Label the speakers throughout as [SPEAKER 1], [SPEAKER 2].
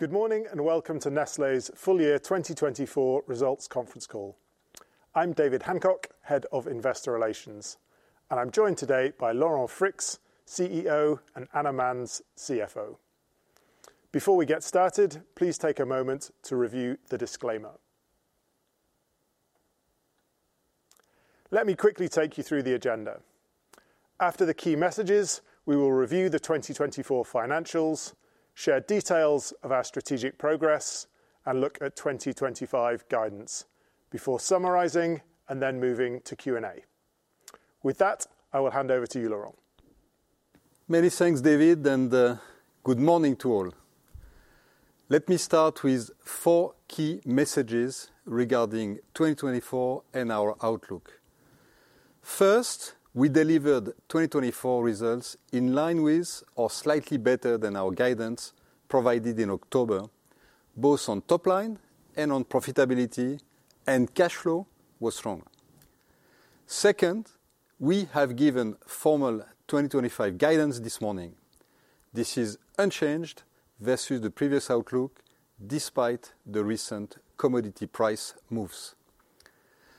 [SPEAKER 1] Good morning and welcome to Nestlé's full year 2024 results conference call. I'm David Hancock, Head of Investor Relations, and I'm joined today by Laurent Freixe, CEO, and Anna Manz, CFO. Before we get started, please take a moment to review the disclaimer. Let me quickly take you through the agenda. After the key messages, we will review the 2024 financials, share details of our strategic progress, and look at 2025 guidance before summarizing and then moving to Q&A. With that, I will hand over to you, Laurent.
[SPEAKER 2] Many thanks, David, and good morning to all. Let me start with four key messages regarding 2024 and our outlook. First, we delivered 2024 results in line with, or slightly better than, our guidance provided in October, both on top line and on profitability, and cash flow was strong. Second, we have given formal 2025 guidance this morning. This is unchanged versus the previous outlook despite the recent commodity price moves.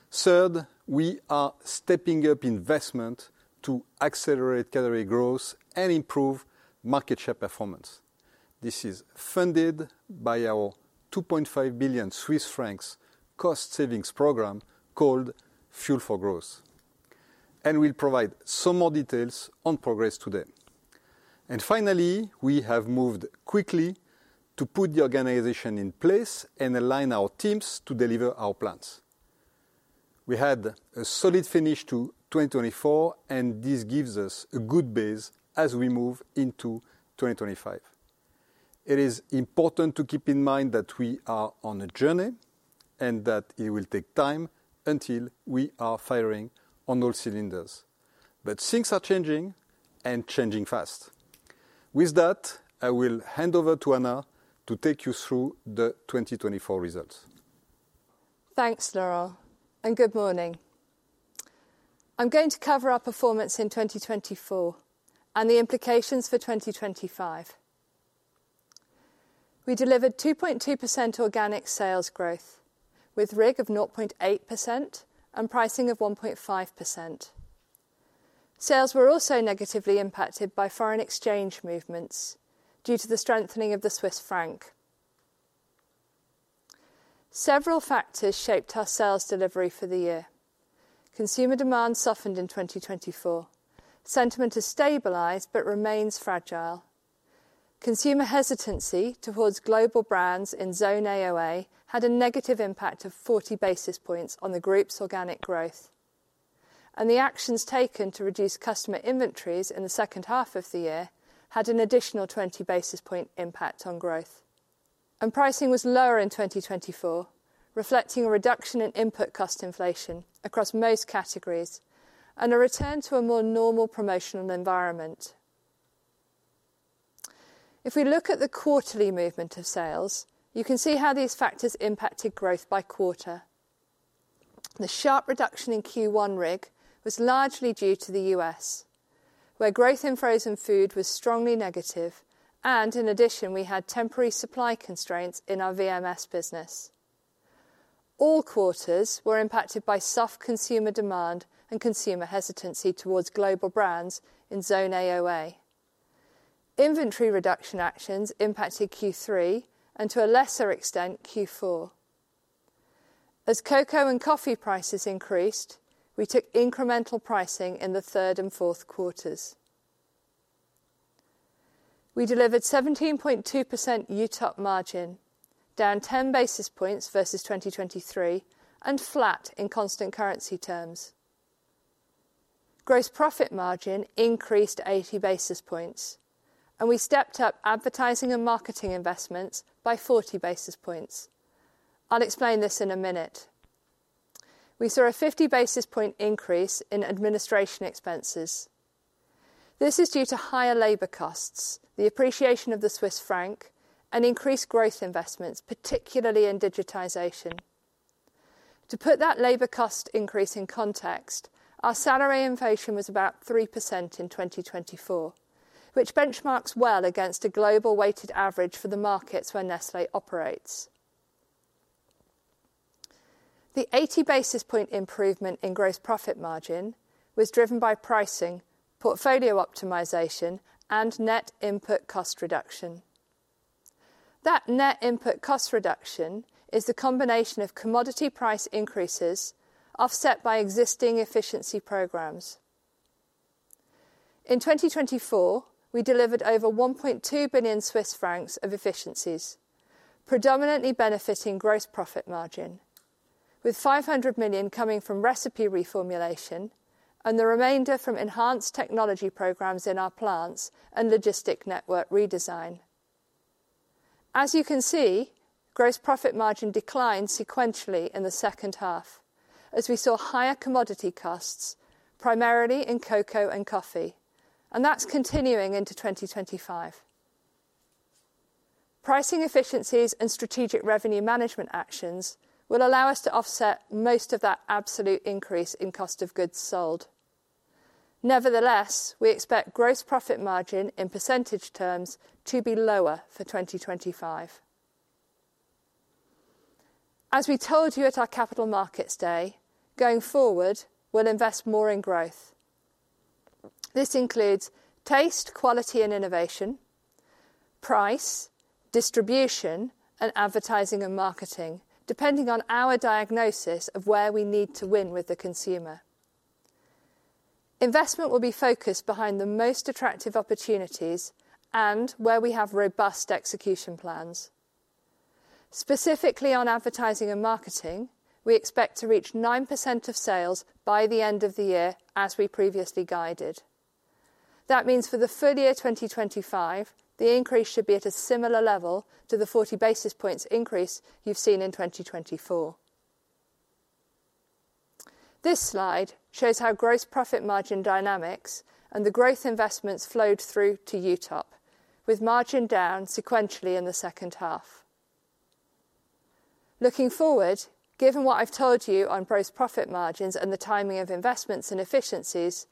[SPEAKER 2] Third, we are stepping up investment to accelerate category growth and improve market share performance. This is funded by our 2.5 billion Swiss francs cost savings program called Fuel for Growth, and we'll provide some more details on progress today. And finally, we have moved quickly to put the organization in place and align our teams to deliver our plans. We had a solid finish to 2024, and this gives us a good base as we move into 2025. It is important to keep in mind that we are on a journey and that it will take time until we are firing on all cylinders. But things are changing, and changing fast. With that, I will hand over to Anna to take you through the 2024 results.
[SPEAKER 3] Thanks, Laurent, and good morning. I'm going to cover our performance in 2024 and the implications for 2025. We delivered 2.2% organic sales growth with RIG of 0.8% and pricing of 1.5%. Sales were also negatively impacted by foreign exchange movements due to the strengthening of the Swiss Franc. Several factors shaped our sales delivery for the year. Consumer demand softened in 2024. Sentiment has stabilized but remains fragile. Consumer hesitancy towards global brands in Zone AOA had a negative impact of 40 basis points on the group's organic growth, and the actions taken to reduce customer inventories in the second half of the year had an additional 20 basis points impact on growth, and pricing was lower in 2024, reflecting a reduction in input cost inflation across most categories and a return to a more normal promotional environment. If we look at the quarterly movement of sales, you can see how these factors impacted growth by quarter. The sharp reduction in Q1 RIG was largely due to the U.S., where growth in frozen food was strongly negative, and in addition, we had temporary supply constraints in our VMS business. All quarters were impacted by soft consumer demand and consumer hesitancy towards global brands in Zone AOA. Inventory reduction actions impacted Q3 and, to a lesser extent, Q4. As cocoa and coffee prices increased, we took incremental pricing in the third and fourth quarters. We delivered 17.2% UTOP margin, down 10 basis points versus 2023, and flat in constant currency terms. Gross profit margin increased 80 basis points, and we stepped up advertising and marketing investments by 40 basis points. I'll explain this in a minute. We saw a 50 basis point increase in administration expenses. This is due to higher labor costs, the appreciation of the Swiss Franc, and increased growth investments, particularly in digitization. To put that labor cost increase in context, our salary inflation was about 3% in 2024, which benchmarks well against a global weighted average for the markets where Nestlé operates. The 80 basis point improvement in gross profit margin was driven by pricing, portfolio optimization, and net input cost reduction. That net input cost reduction is the combination of commodity price increases offset by existing efficiency programs. In 2024, we delivered over 1.2 billion Swiss francs of efficiencies, predominantly benefiting gross profit margin, with 500 million coming from recipe reformulation and the remainder from enhanced technology programs in our plants and logistics network redesign. As you can see, gross profit margin declined sequentially in the second half, as we saw higher commodity costs, primarily in cocoa and coffee, and that's continuing into 2025. Pricing efficiencies and strategic revenue management actions will allow us to offset most of that absolute increase in cost of goods sold. Nevertheless, we expect gross profit margin in percentage terms to be lower for 2025. As we told you at our capital markets day, going forward, we'll invest more in growth. This includes taste, quality, and innovation, price, distribution, and advertising and marketing, depending on our diagnosis of where we need to win with the consumer. Investment will be focused behind the most attractive opportunities and where we have robust execution plans. Specifically on advertising and marketing, we expect to reach 9% of sales by the end of the year, as we previously guided. That means for the full year 2025, the increase should be at a similar level to the 40 basis points increase you've seen in 2024. This slide shows how gross profit margin dynamics and the growth investments flowed through to UTOP, with margin down sequentially in the second half. Looking forward, given what I've told you on gross profit margins and the timing of investments and efficiencies,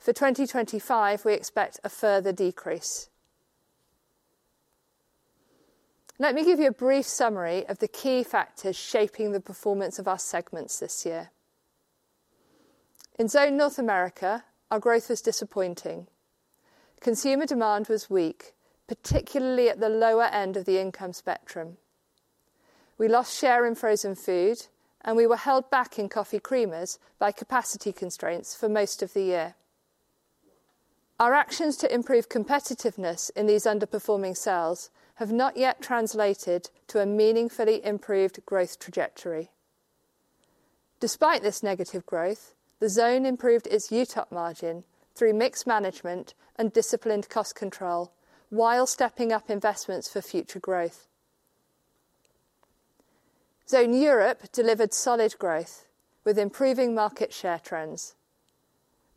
[SPEAKER 3] for 2025, we expect a further decrease. Let me give you a brief summary of the key factors shaping the performance of our segments this year. In Zone North America, our growth was disappointing. Consumer demand was weak, particularly at the lower end of the income spectrum. We lost share in frozen food, and we were held back in coffee creamers by capacity constraints for most of the year. Our actions to improve competitiveness in these underperforming cells have not yet translated to a meaningfully improved growth trajectory. Despite this negative growth, the zone improved its UTOP margin through mix management and disciplined cost control, while stepping up investments for future growth. Zone Europe delivered solid growth with improving market share trends.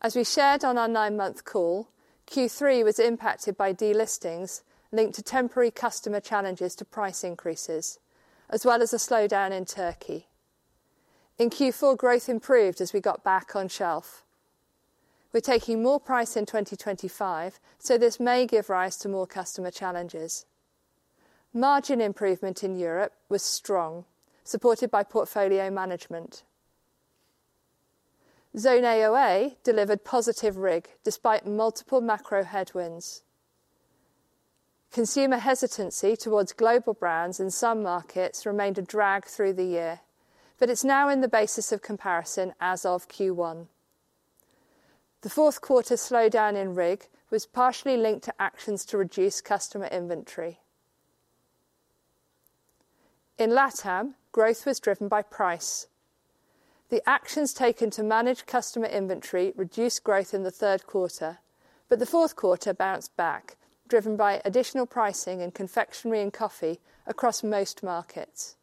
[SPEAKER 3] As we shared on our nine-month call, Q3 was impacted by delistings linked to temporary customer challenges to price increases, as well as a slowdown in Turkey. In Q4, growth improved as we got back on shelf. We're taking more price in 2025, so this may give rise to more customer challenges. Margin improvement in Europe was strong, supported by portfolio management. Zone AOA delivered positive RIG despite multiple macro headwinds. Consumer hesitancy towards global brands in some markets remained a drag through the year, but it's now in the basis of comparison as of Q1. The fourth quarter slowdown in RIG was partially linked to actions to reduce customer inventory. In LATAM, growth was driven by price. The actions taken to manage customer inventory reduced growth in the third quarter, but the fourth quarter bounced back, driven by additional pricing in confectionery and coffee across most markets.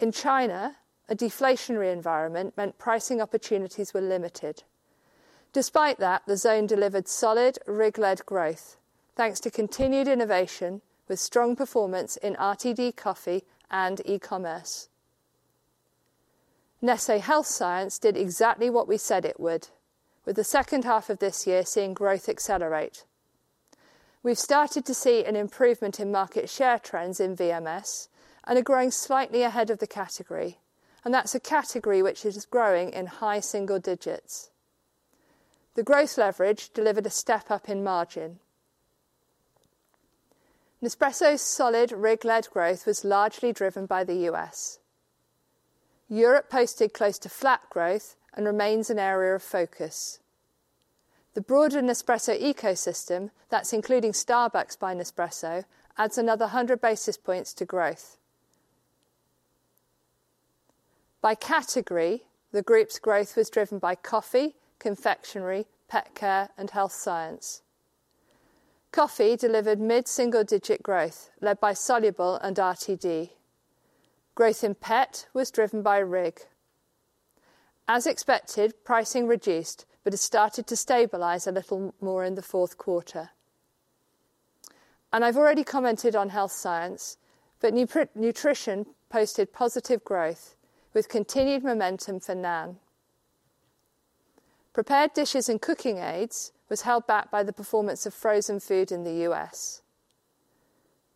[SPEAKER 3] In China, a deflationary environment meant pricing opportunities were limited. Despite that, the zone delivered solid RIG-led growth, thanks to continued innovation with strong performance in RTD coffee and e-commerce. Nestlé Health Science did exactly what we said it would, with the second half of this year seeing growth accelerate. We've started to see an improvement in market share trends in VMS and are growing slightly ahead of the category, and that's a category which is growing in high single digits. The gross leverage delivered a step up in margin. Nespresso's solid RIG-led growth was largely driven by the U.S. Europe posted close to flat growth and remains an area of focus. The broader Nespresso ecosystem, that's including Starbucks by Nespresso, adds another 100 basis points to growth. By category, the group's growth was driven by coffee, confectionery, pet care, and health science. Coffee delivered mid-single-digit growth, led by soluble and RTD. Growth in pet was driven by RIG. As expected, pricing reduced, but it started to stabilize a little more in the fourth quarter, and I've already commented on health science, but nutrition posted positive growth with continued momentum for NAN. Prepared dishes and cooking aids was held back by the performance of frozen food in the U.S.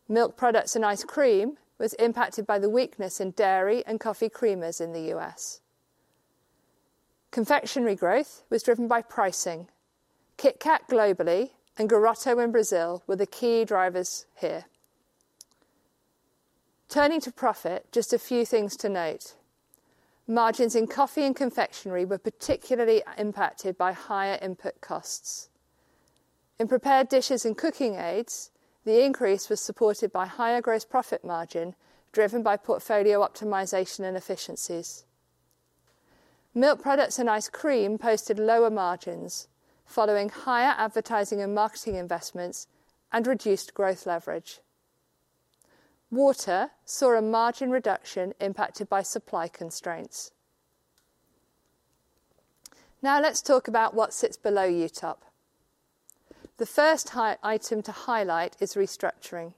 [SPEAKER 3] Milk products and ice cream was impacted by the weakness in dairy and coffee creamers in the U.S. Confectionery growth was driven by pricing. Kit Kat globally and Garoto in Brazil were the key drivers here. Turning to profit, just a few things to note. Margins in coffee and confectionery were particularly impacted by higher input costs. In prepared dishes and cooking aids, the increase was supported by higher gross profit margin driven by portfolio optimization and efficiencies. Milk products and ice cream posted lower margins following higher advertising and marketing investments and reduced growth leverage. Water saw a margin reduction impacted by supply constraints. Now let's talk about what sits below UTOP. The first high item to highlight is restructuring.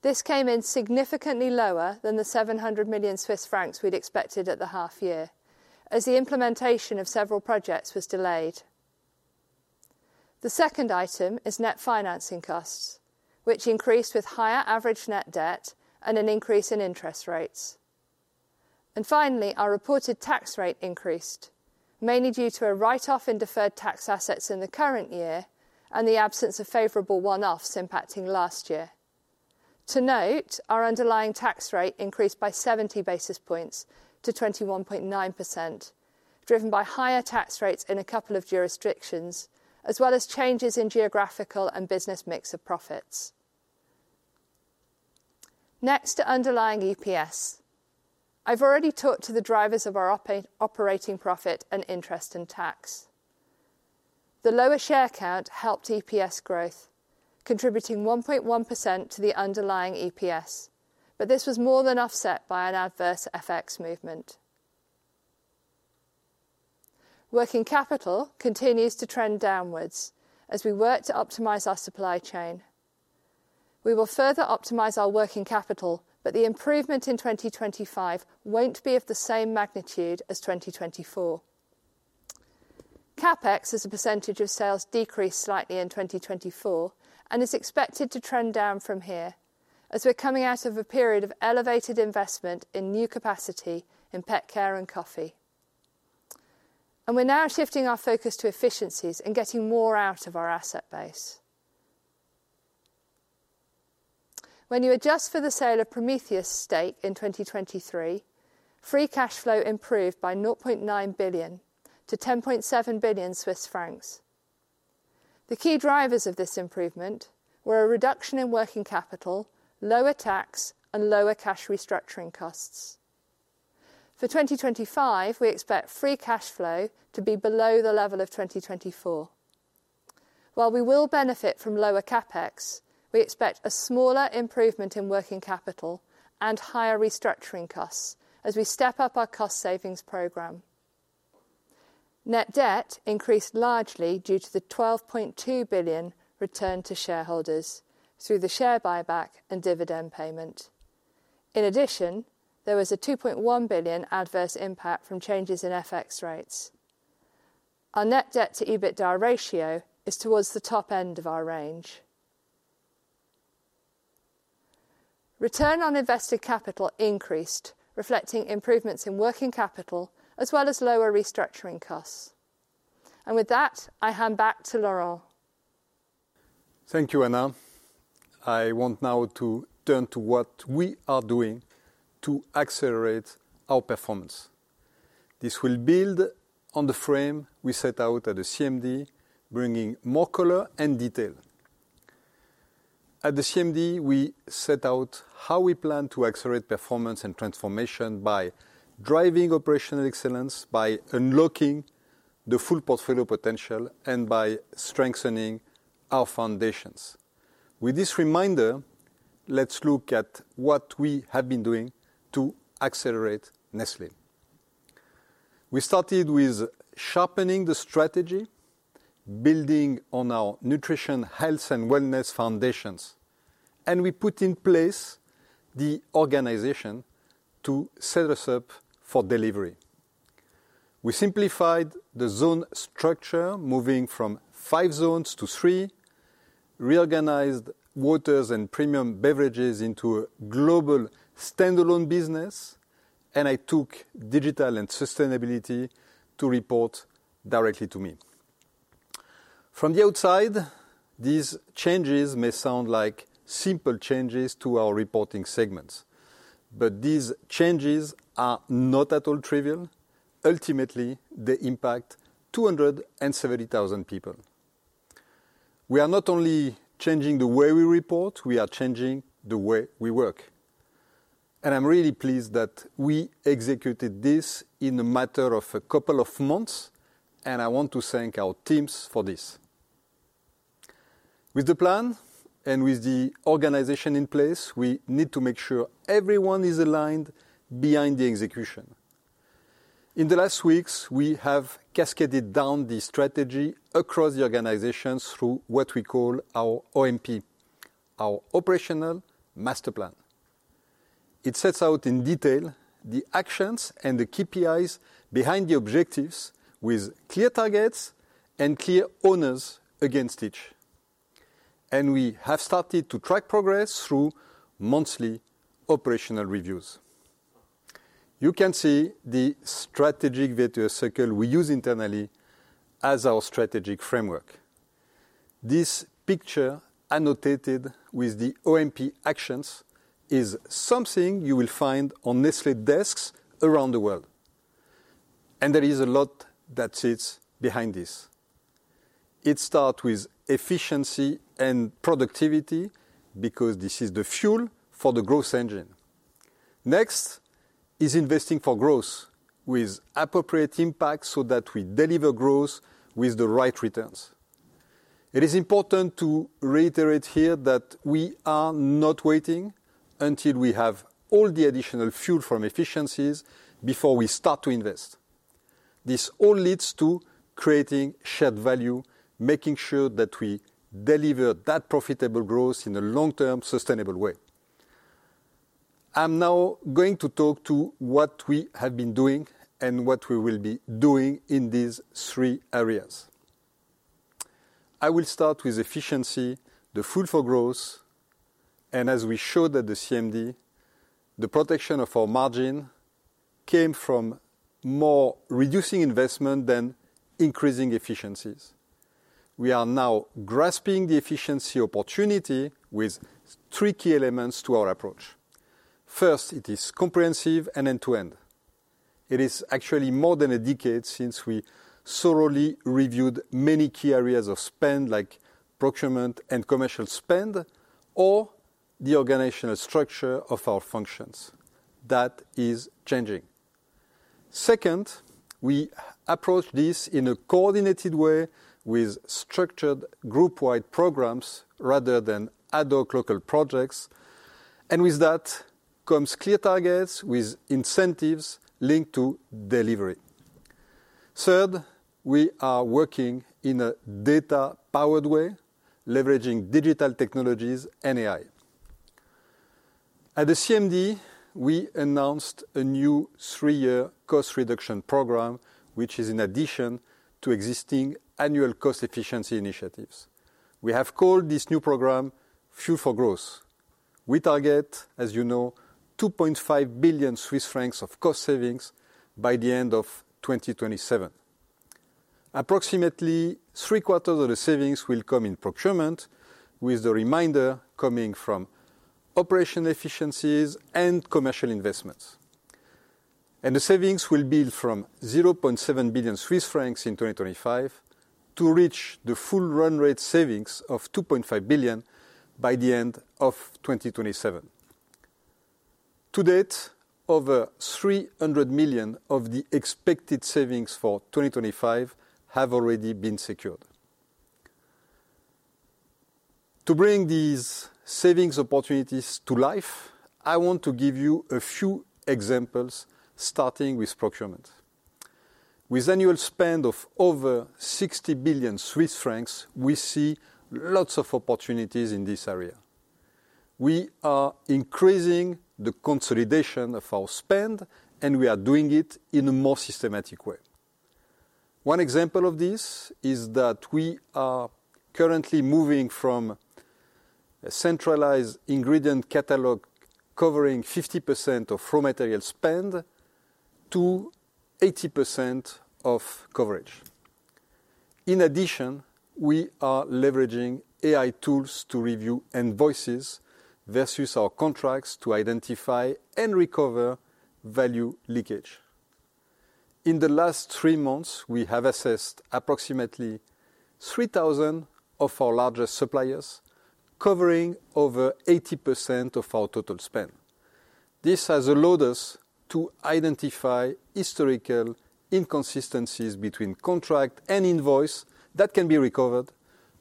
[SPEAKER 3] This came in significantly lower than the 700 million Swiss francs we'd expected at the half year, as the implementation of several projects was delayed. The second item is net financing costs, which increased with higher average net debt and an increase in interest rates. And finally, our reported tax rate increased, mainly due to a write-off in deferred tax assets in the current year and the absence of favorable one-offs impacting last year. To note, our underlying tax rate increased by 70 basis points to 21.9%, driven by higher tax rates in a couple of jurisdictions, as well as changes in geographical and business mix of profits. Next to underlying EPS, I've already talked to the drivers of our operating profit and interest and tax. The lower share count helped EPS growth, contributing 1.1% to the underlying EPS, but this was more than offset by an adverse FX movement. Working capital continues to trend downwards as we work to optimize our supply chain. We will further optimize our working capital, but the improvement in 2025 won't be of the same magnitude as 2024. CapEx as a percentage of sales decreased slightly in 2024 and is expected to trend down from here, as we're coming out of a period of elevated investment in new capacity in pet care and coffee. And we're now shifting our focus to efficiencies and getting more out of our asset base. When you adjust for the sale of Prometheus Biosciences in 2023, free cash flow improved by 0.9 billion to 10.7 billion Swiss francs. The key drivers of this improvement were a reduction in working capital, lower tax, and lower cash restructuring costs. For 2025, we expect free cash flow to be below the level of 2024. While we will benefit from lower CapEx, we expect a smaller improvement in working capital and higher restructuring costs as we step up our cost savings program. Net debt increased largely due to the 12.2 billion return to shareholders through the share buyback and dividend payment. In addition, there was a 2.1 billion adverse impact from changes in FX rates. Our net debt to EBITDA ratio is towards the top end of our range. Return on invested capital increased, reflecting improvements in working capital as well as lower restructuring costs. With that, I hand back to Laurent.
[SPEAKER 2] Thank you, Anna. I want now to turn to what we are doing to accelerate our performance. This will build on the frame we set out at the CMD, bringing more color and detail. At the CMD, we set out how we plan to accelerate performance and transformation by driving operational excellence, by unlocking the full portfolio potential, and by strengthening our foundations. With this reminder, let's look at what we have been doing to accelerate Nestlé. We started with sharpening the strategy, building on our nutrition, health, and wellness foundations, and we put in place the organization to set us up for delivery. We simplified the zone structure, moving from five zones to three, reorganized waters and premium beverages into a global standalone business, and I took digital and sustainability to report directly to me. From the outside, these changes may sound like simple changes to our reporting segments, but these changes are not at all trivial. Ultimately, they impact 270,000 people. We are not only changing the way we report, we are changing the way we work. And I'm really pleased that we executed this in a matter of a couple of months, and I want to thank our teams for this. With the plan and with the organization in place, we need to make sure everyone is aligned behind the execution. In the last weeks, we have cascaded down the strategy across the organizations through what we call our OMP, our Operational Master Plan. It sets out in detail the actions and the KPIs behind the objectives with clear targets and clear owners against each. And we have started to track progress through monthly operational reviews. You can see the strategic virtual circle we use internally as our strategic framework. This picture annotated with the OMP actions is something you will find on Nestlé desks around the world. And there is a lot that sits behind this. It starts with efficiency and productivity because this is the fuel for the growth engine. Next is investing for growth with appropriate impact so that we deliver growth with the right returns. It is important to reiterate here that we are not waiting until we have all the additional fuel from efficiencies before we start to invest. This all leads to creating shared value, making sure that we deliver that profitable growth in a long-term sustainable way. I'm now going to talk to what we have been doing and what we will be doing in these three areas. I will start with efficiency, the fuel for growth, and as we showed at the CMD, the protection of our margin came from more reducing investment than increasing efficiencies. We are now grasping the efficiency opportunity with three key elements to our approach. First, it is comprehensive and end-to-end. It is actually more than a decade since we thoroughly reviewed many key areas of spend like procurement and commercial spend or the organizational structure of our functions. That is changing. Second, we approach this in a coordinated way with structured group-wide programs rather than ad hoc local projects. And with that comes clear targets with incentives linked to delivery. Third, we are working in a data-powered way, leveraging digital technologies and AI. At the CMD, we announced a new three-year cost reduction program, which is in addition to existing annual cost efficiency initiatives. We have called this new program Fuel for Growth. We target, as you know, 2.5 billion Swiss francs of cost savings by the end of 2027. Approximately three quarters of the savings will come in procurement, with the remainder coming from operational efficiencies and commercial investments. And the savings will build from 0.7 billion Swiss francs in 2025 to reach the full run rate savings of 2.5 billion by the end of 2027. To date, over 300 million of the expected savings for 2025 have already been secured. To bring these savings opportunities to life, I want to give you a few examples starting with procurement. With annual spend of over 60 billion Swiss francs, we see lots of opportunities in this area. We are increasing the consolidation of our spend, and we are doing it in a more systematic way. One example of this is that we are currently moving from a centralized ingredient catalog covering 50% of raw material spend to 80% of coverage. In addition, we are leveraging AI tools to review invoices versus our contracts to identify and recover value leakage. In the last three months, we have assessed approximately 3,000 of our largest suppliers, covering over 80% of our total spend. This has allowed us to identify historical inconsistencies between contract and invoice that can be recovered,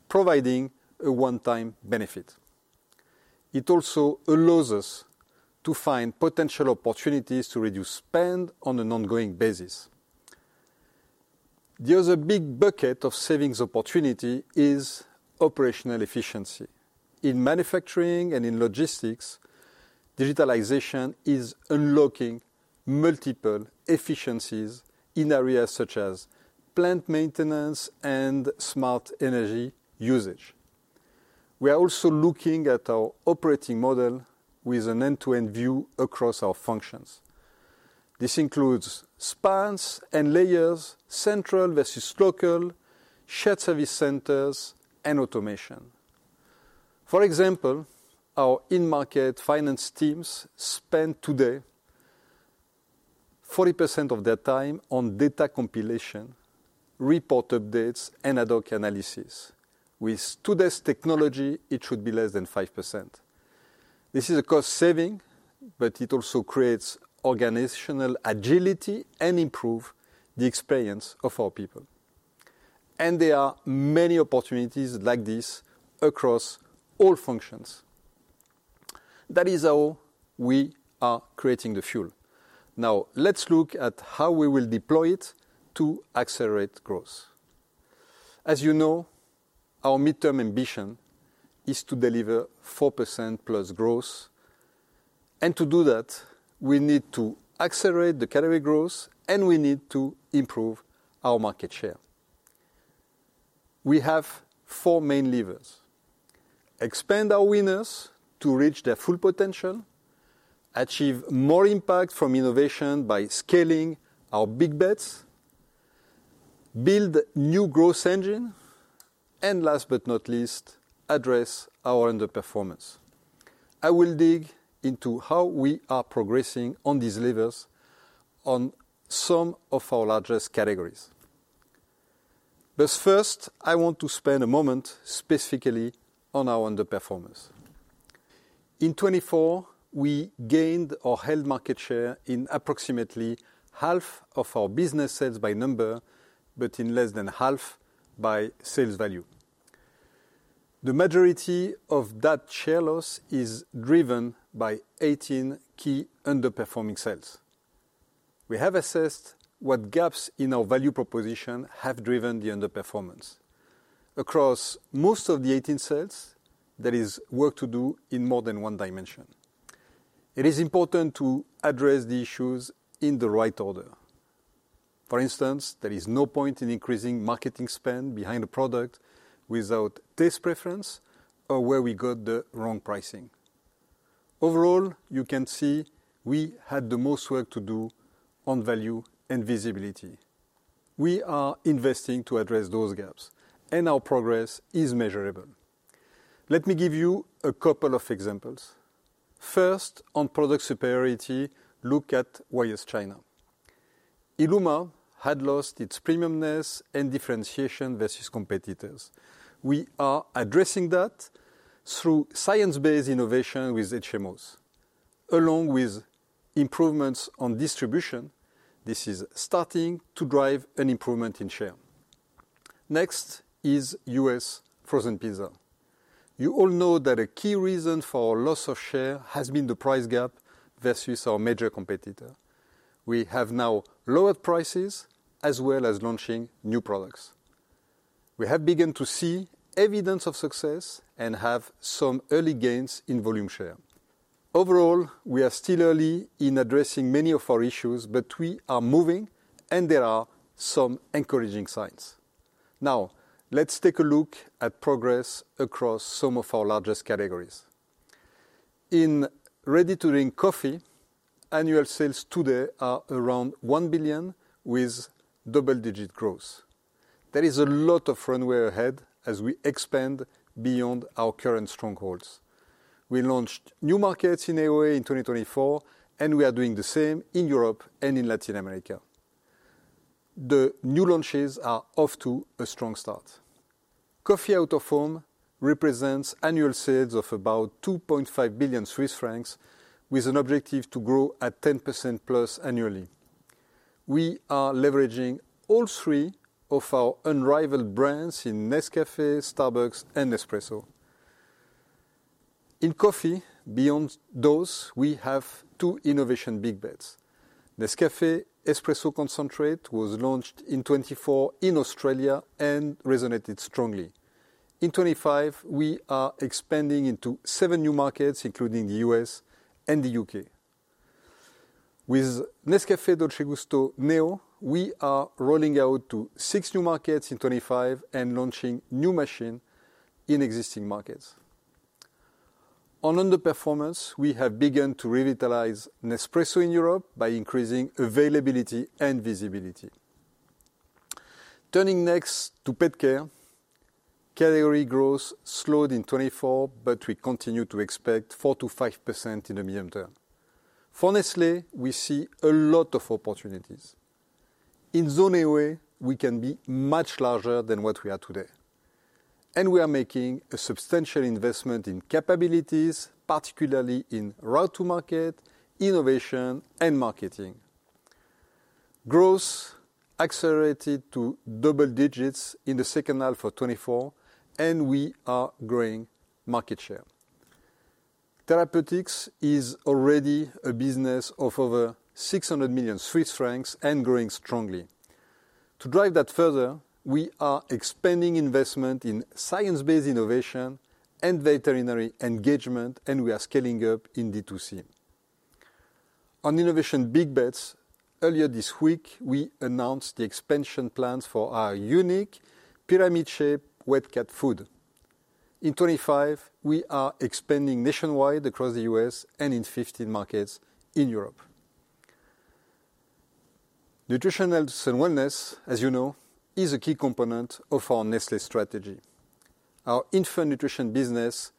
[SPEAKER 2] providing a one-time benefit. It also allows us to find potential opportunities to reduce spend on an ongoing basis. The other big bucket of savings opportunity is operational efficiency. In manufacturing and in logistics, digitalization is unlocking multiple efficiencies in areas such as plant maintenance and smart energy usage. We are also looking at our operating model with an end-to-end view across our functions. This includes spans and layers, central versus local, shared service centers, and automation. For example, our in-market finance teams spend today 40% of their time on data compilation, report updates, and ad hoc analysis. With today's technology, it should be less than 5%. This is a cost saving, but it also creates organizational agility and improves the experience of our people. And there are many opportunities like this across all functions. That is how we are creating the fuel. Now, let's look at how we will deploy it to accelerate growth. As you know, our midterm ambition is to deliver 4% plus growth. And to do that, we need to accelerate the category growth, and we need to improve our market share. We have four main levers: expand our winners to reach their full potential, achieve more impact from innovation by scaling our big bets, build new growth engines, and last but not least, address our underperformance. I will dig into how we are progressing on these levers on some of our largest categories. But first, I want to spend a moment specifically on our underperformance. In 2024, we gained or held market share in approximately half of our business sales by number, but in less than half by sales value. The majority of that share loss is driven by 18 key underperforming sales. We have assessed what gaps in our value proposition have driven the underperformance. Across most of the 18 sales, there is work to do in more than one dimension. It is important to address the issues in the right order. For instance, there is no point in increasing marketing spend behind a product without taste preference or where we got the wrong pricing. Overall, you can see we had the most work to do on value and visibility. We are investing to address those gaps, and our progress is measurable. Let me give you a couple of examples. First, on product superiority, look at Wyeth China. Illuma had lost its premiumness and differentiation versus competitors. We are addressing that through science-based innovation with HMOs, along with improvements on distribution. This is starting to drive an improvement in share. Next is U.S. Frozen Pizza. You all know that a key reason for our loss of share has been the price gap versus our major competitor. We have now lowered prices as well as launching new products. We have begun to see evidence of success and have some early gains in volume share. Overall, we are still early in addressing many of our issues, but we are moving, and there are some encouraging signs. Now, let's take a look at progress across some of our largest categories. In ready-to-drink coffee, annual sales today are around 1 billion with double-digit growth. There is a lot of runway ahead as we expand beyond our current strongholds. We launched new markets in AOA in 2024, and we are doing the same in Europe and in Latin America. The new launches are off to a strong start. Coffee Out of Home represents annual sales of about 2.5 billion Swiss francs, with an objective to grow at 10% plus annually. We are leveraging all three of our unrivaled brands in Nescafé, Starbucks, and Nespresso. In coffee, beyond those, we have two innovation big bets. Nescafé Espresso Concentrate was launched in 2024 in Australia and resonated strongly. In 2025, we are expanding into seven new markets, including the U.S. and the U.K. With Nescafé Dolce Gusto Neo, we are rolling out to six new markets in 2025 and launching new machines in existing markets. On underperformance, we have begun to revitalize Nespresso in Europe by increasing availability and visibility. Turning next to pet care, category growth slowed in 2024, but we continue to expect 4%-5% in the medium term. For Nestlé, we see a lot of opportunities. In Zone AOA, we can be much larger than what we are today, and we are making a substantial investment in capabilities, particularly in route-to-market, innovation, and marketing. Growth accelerated to double digits in the second half of 2024, and we are growing market share. Therapeutics is already a business of over 600 million Swiss francs and growing strongly. To drive that further, we are expanding investment in science-based innovation and veterinary engagement, and we are scaling up in D2C. On innovation big bets, earlier this week, we announced the expansion plans for our unique pyramid-shaped wet cat food. In 2025, we are expanding nationwide across the U.S. and in 15 markets in Europe. Nutritional health and wellness, as you know, is a key component of our Nestlé strategy. Our infant nutrition business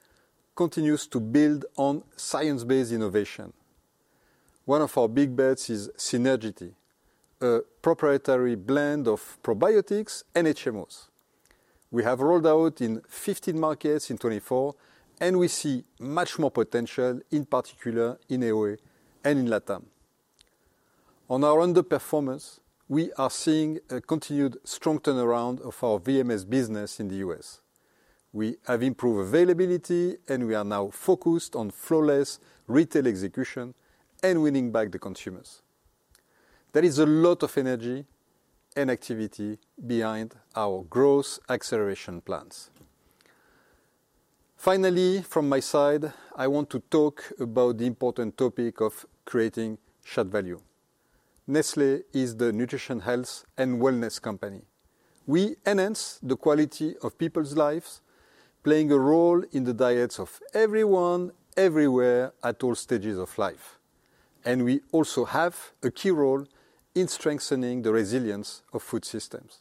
[SPEAKER 2] continues to build on science-based innovation. One of our big bets is Sinergity, a proprietary blend of probiotics and HMOs. We have rolled out in 15 markets in 2024, and we see much more potential, in particular in AOA and in LATAM. On our underperformance, we are seeing a continued strong turnaround of our VMS business in the U.S. We have improved availability, and we are now focused on flawless retail execution and winning back the consumers. There is a lot of energy and activity behind our growth acceleration plans. Finally, from my side, I want to talk about the important topic of creating shared value. Nestlé is the nutrition, health, and wellness company. We enhance the quality of people's lives, playing a role in the diets of everyone, everywhere, at all stages of life, and we also have a key role in strengthening the resilience of food systems.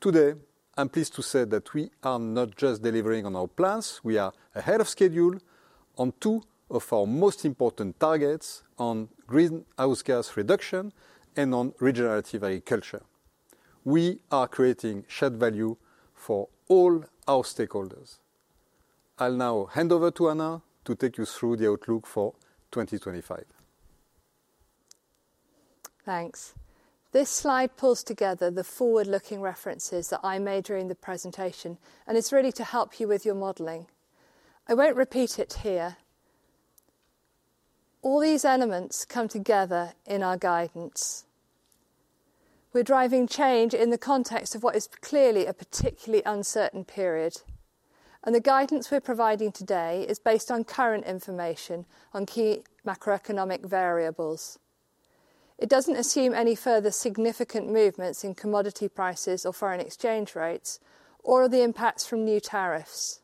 [SPEAKER 2] Today, I'm pleased to say that we are not just delivering on our plans. We are ahead of schedule on two of our most important targets: on greenhouse gas reduction and on regenerative agriculture. We are creating shared value for all our stakeholders. I'll now hand over to Anna to take you through the outlook for 2025.
[SPEAKER 3] Thanks. This slide pulls together the forward-looking references that I made during the presentation, and it's really to help you with your modeling. I won't repeat it here. All these elements come together in our guidance. We're driving change in the context of what is clearly a particularly uncertain period, and the guidance we're providing today is based on current information on key macroeconomic variables. It doesn't assume any further significant movements in commodity prices or foreign exchange rates, or the impacts from new tariffs.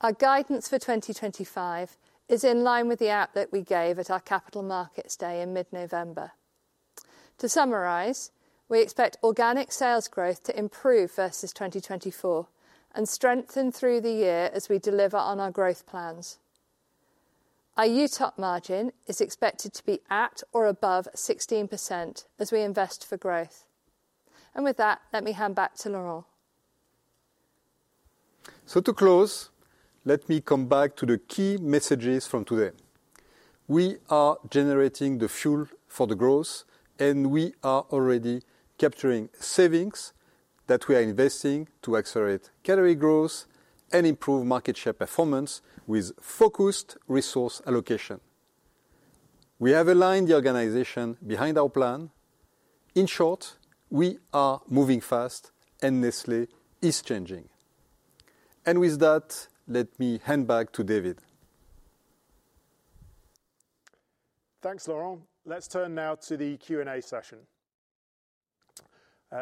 [SPEAKER 3] Our guidance for 2025 is in line with the outlook we gave at our capital markets day in mid-November. To summarize, we expect organic sales growth to improve versus 2024 and strengthen through the year as we deliver on our growth plans. Our UTOP margin is expected to be at or above 16% as we invest for growth. And with that, let me hand back to Laurent.
[SPEAKER 2] So to close, let me come back to the key messages from today. We are generating the fuel for the growth, and we are already capturing savings that we are investing to accelerate category growth and improve market share performance with focused resource allocation. We have aligned the organization behind our plan. In short, we are moving fast, and Nestlé is changing. And with that, let me hand back to David.
[SPEAKER 1] Thanks, Laurent. Let's turn now to the Q&A session. We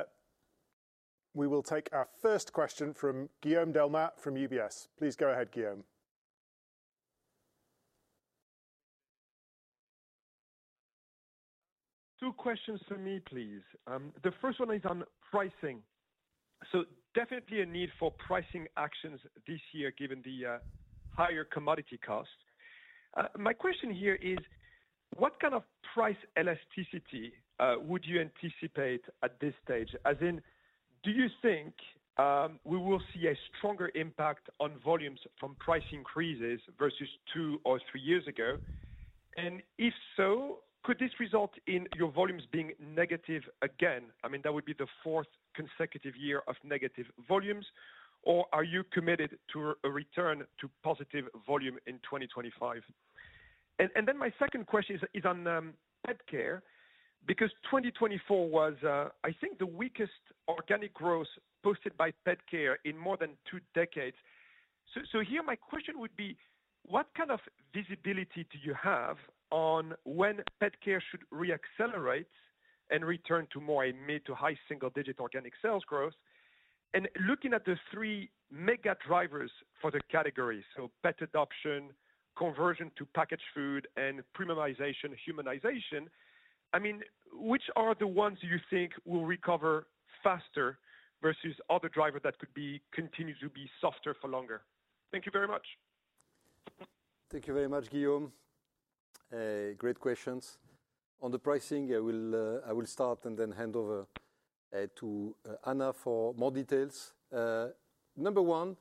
[SPEAKER 1] will take our first question from Guillaume Delmas from UBS. Please go ahead, Guillaume.
[SPEAKER 4] Two questions for me, please. The first one is on pricing. So definitely a need for pricing actions this year given the higher commodity costs. My question here is, what kind of price elasticity would you anticipate at this stage? As in, do you think we will see a stronger impact on volumes from price increases versus two or three years ago? And if so, could this result in your volumes being negative again? I mean, that would be the fourth consecutive year of negative volumes. Or are you committed to a return to positive volume in 2025? And then my second question is on pet care, because 2024 was, I think, the weakest organic growth posted by pet care in more than two decades. So here, my question would be, what kind of visibility do you have on when pet care should reaccelerate and return to more mid to high single-digit organic sales growth? And looking at the three mega drivers for the category, so pet adoption, conversion to packaged food, and premiumization, humanization, I mean, which are the ones you think will recover faster versus other drivers that could continue to be softer for longer? Thank you very much.
[SPEAKER 2] Thank you very much, Guillaume. Great questions. On the pricing, I will start and then hand over to Anna for more details. Number one,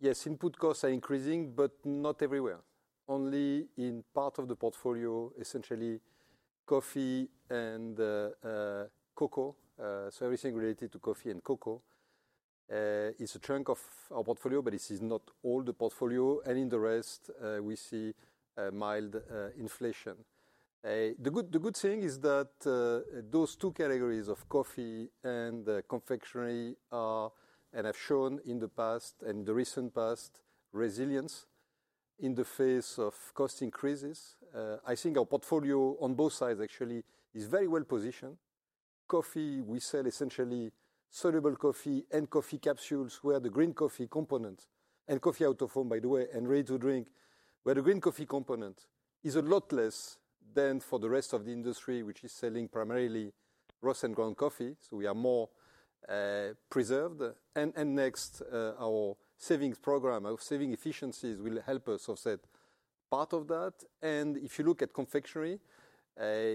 [SPEAKER 2] yes, input costs are increasing, but not everywhere. Only in part of the portfolio, essentially coffee and cocoa. So everything related to coffee and cocoa is a chunk of our portfolio, but this is not all the portfolio. And in the rest, we see mild inflation. The good thing is that those two categories of coffee and confectionery have shown in the past and in the recent past resilience in the face of cost increases. I think our portfolio on both sides, actually, is very well positioned. Coffee, we sell essentially soluble coffee and coffee capsules where the green coffee component and coffee out of home, by the way, and ready-to-drink, where the green coffee component is a lot less than for the rest of the industry, which is selling primarily roast and ground coffee, so we are more preserved, and next, our savings program, our saving efficiencies will help us offset part of that, and if you look at confectionery,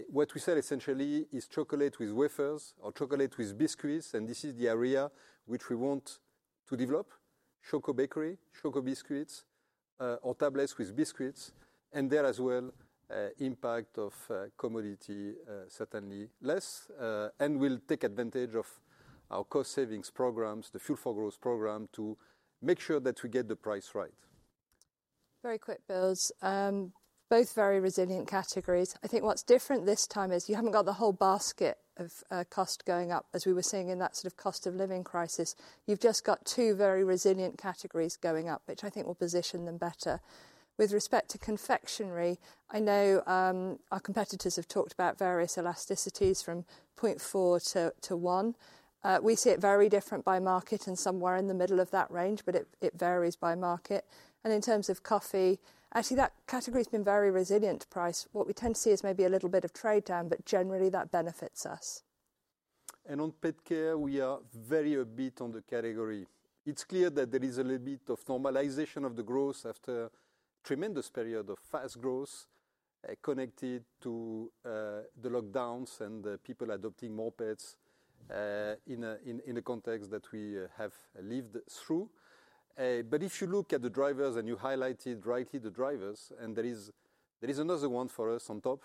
[SPEAKER 2] what we sell essentially is chocolate with wafers or chocolate with biscuits. And this is the area which we want to develop: Choco Bakery, Choco Biscuits, or tablets with biscuits. There as well, impact of commodity, certainly less. We'll take advantage of our cost savings programs, the Fuel for Growth program, to make sure that we get the price right.
[SPEAKER 3] Very quick, Guillaume. Both very resilient categories. I think what's different this time is you haven't got the whole basket of cost going up, as we were seeing in that sort of cost of living crisis. You've just got two very resilient categories going up, which I think will position them better. With respect to confectionery, I know our competitors have talked about various elasticities from 0.4-1. We see it very different by market and somewhere in the middle of that range, but it varies by market. In terms of coffee, actually, that category has been very resilient to price. What we tend to see is maybe a little bit of trade down, but generally, that benefits us.
[SPEAKER 2] And on pet care, we are very a bit on the category. It's clear that there is a little bit of normalization of the growth after a tremendous period of fast growth connected to the lockdowns and people adopting more pets in the context that we have lived through. But if you look at the drivers, and you highlighted rightly the drivers, and there is another one for us on top,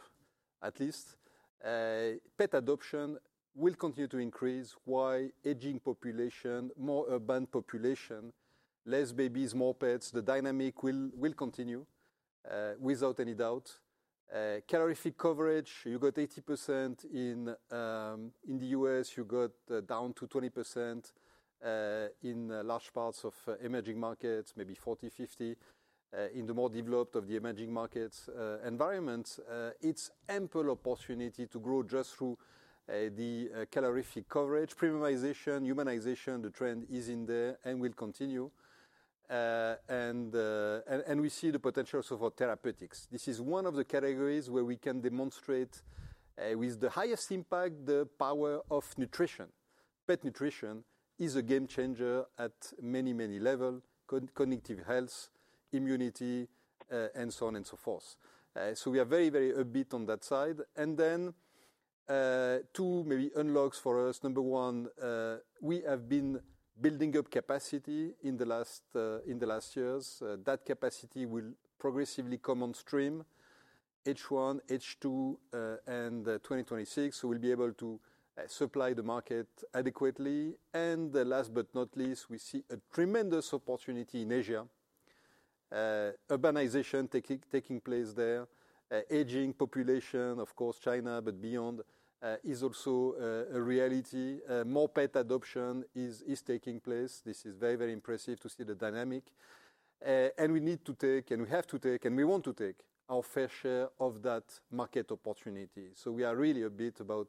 [SPEAKER 2] at least, pet adoption will continue to increase. Why? Aging population, more urban population, less babies, more pets. The dynamic will continue without any doubt. Calorific coverage, you got 80% in the U.S., you got down to 20% in large parts of emerging markets, maybe 40, 50 in the more developed of the emerging markets environments. It's ample opportunity to grow just through the caloric coverage, premiumization, humanization. The trend is in there and will continue, and we see the potentials of our therapeutics. This is one of the categories where we can demonstrate with the highest impact the power of nutrition. Pet nutrition is a game changer at many, many levels: cognitive health, immunity, and so on and so forth, so we are very, very a bit on that side, and then two maybe unlocks for us. Number one, we have been building up capacity in the last years. That capacity will progressively come on stream, H1, H2, and 2026, so we'll be able to supply the market adequately, and last but not least, we see a tremendous opportunity in Asia. Urbanization taking place there. Aging population, of course, China, but beyond is also a reality. More pet adoption is taking place. This is very, very impressive to see the dynamic. And we need to take, and we have to take, and we want to take our fair share of that market opportunity. So we are really a bit about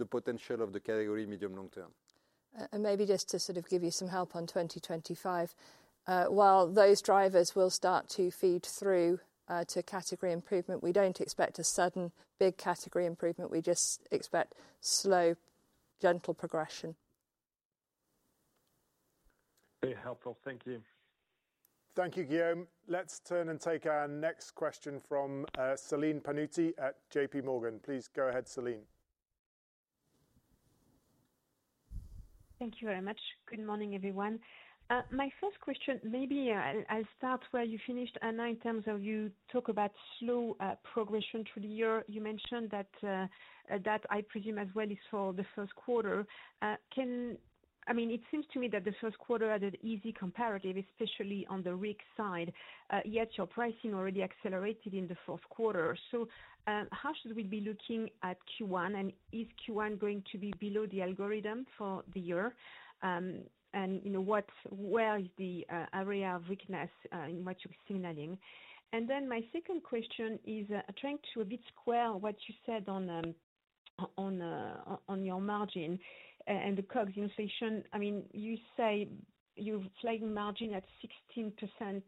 [SPEAKER 2] the potential of the category medium-long term.
[SPEAKER 3] And maybe just to sort of give you some help on 2025. While those drivers will start to feed through to category improvement, we don't expect a sudden big category improvement. We just expect slow, gentle progression.
[SPEAKER 1] Very helpful. Thank you. Thank you, Guillaume. Let's turn and take our next question from Celine Pannuti at J.P. Morgan. Please go ahead, Celine.
[SPEAKER 5] Thank you very much. Good morning, everyone. My first question, maybe I'll start where you finished, Anna, in terms of you talk about slow progression through the year. You mentioned that I presume as well is for the first quarter. I mean, it seems to me that the first quarter had an easy comparative, especially on the RIG side. Yet your pricing already accelerated in the fourth quarter. So how should we be looking at Q1? And is Q1 going to be below the algorithm for the year? And where is the area of weakness in what you're signaling? And then my second question is trying to square a bit what you said on your margin and the COGS inflation. I mean, you say you're planning margin at 16%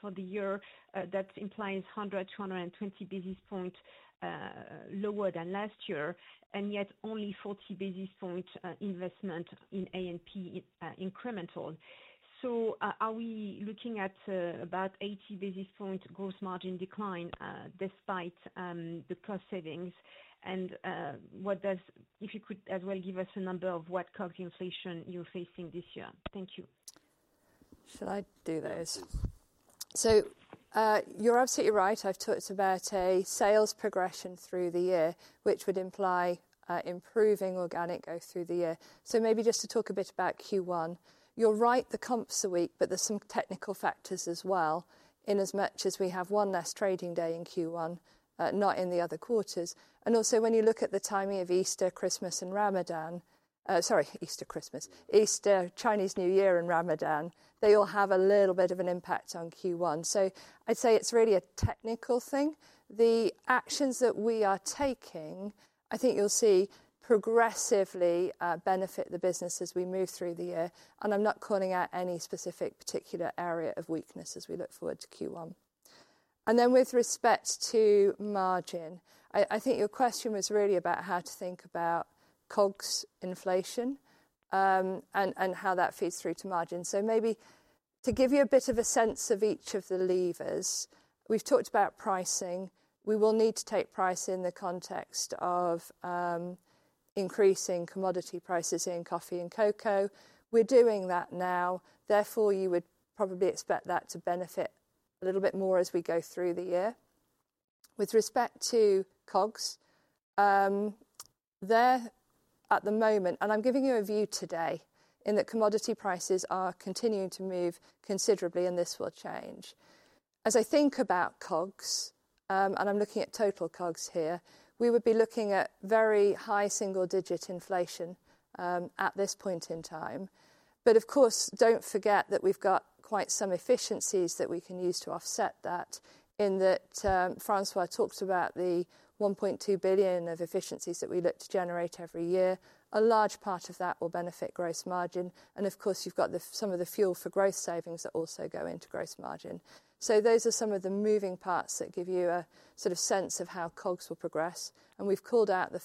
[SPEAKER 5] for the year. That implies 100-120 basis points lower than last year, and yet only 40 basis points investment in A&P incremental. So are we looking at about 80 basis points gross margin decline despite the cost savings? And if you could as well give us a number of what COGS inflation you're facing this year. Thank you.
[SPEAKER 3] Shall I do those? So you're absolutely right. I've talked about a sales progression through the year, which would imply improving organic growth through the year. So maybe just to talk a bit about Q1. You're right, the comps are weak, but there's some technical factors as well in as much as we have one less trading day in Q1, not in the other quarters. And also, when you look at the timing of Easter, Christmas, and Ramadan, sorry, Easter, Christmas, Easter, Chinese New Year, and Ramadan, they all have a little bit of an impact on Q1. So I'd say it's really a technical thing. The actions that we are taking, I think you'll see progressively benefit the business as we move through the year. And I'm not calling out any specific particular area of weakness as we look forward to Q1. And then with respect to margin, I think your question was really about how to think about COGS inflation and how that feeds through to margin. So maybe to give you a bit of a sense of each of the levers, we've talked about pricing. We will need to take price in the context of increasing commodity prices in coffee and cocoa. We're doing that now. Therefore, you would probably expect that to benefit a little bit more as we go through the year. With respect to COGS, there at the moment, and I'm giving you a view today in that commodity prices are continuing to move considerably, and this will change. As I think about COGS, and I'm looking at total COGS here, we would be looking at very high single-digit inflation at this point in time. Of course, don't forget that we've got quite some efficiencies that we can use to offset that in that François talked about the 1.2 billion of efficiencies that we look to generate every year. A large part of that will benefit gross margin. Of course, you've got some of the Fuel for Growth savings that also go into gross margin. Those are some of the moving parts that give you a sort of sense of how COGS will progress. We've called out the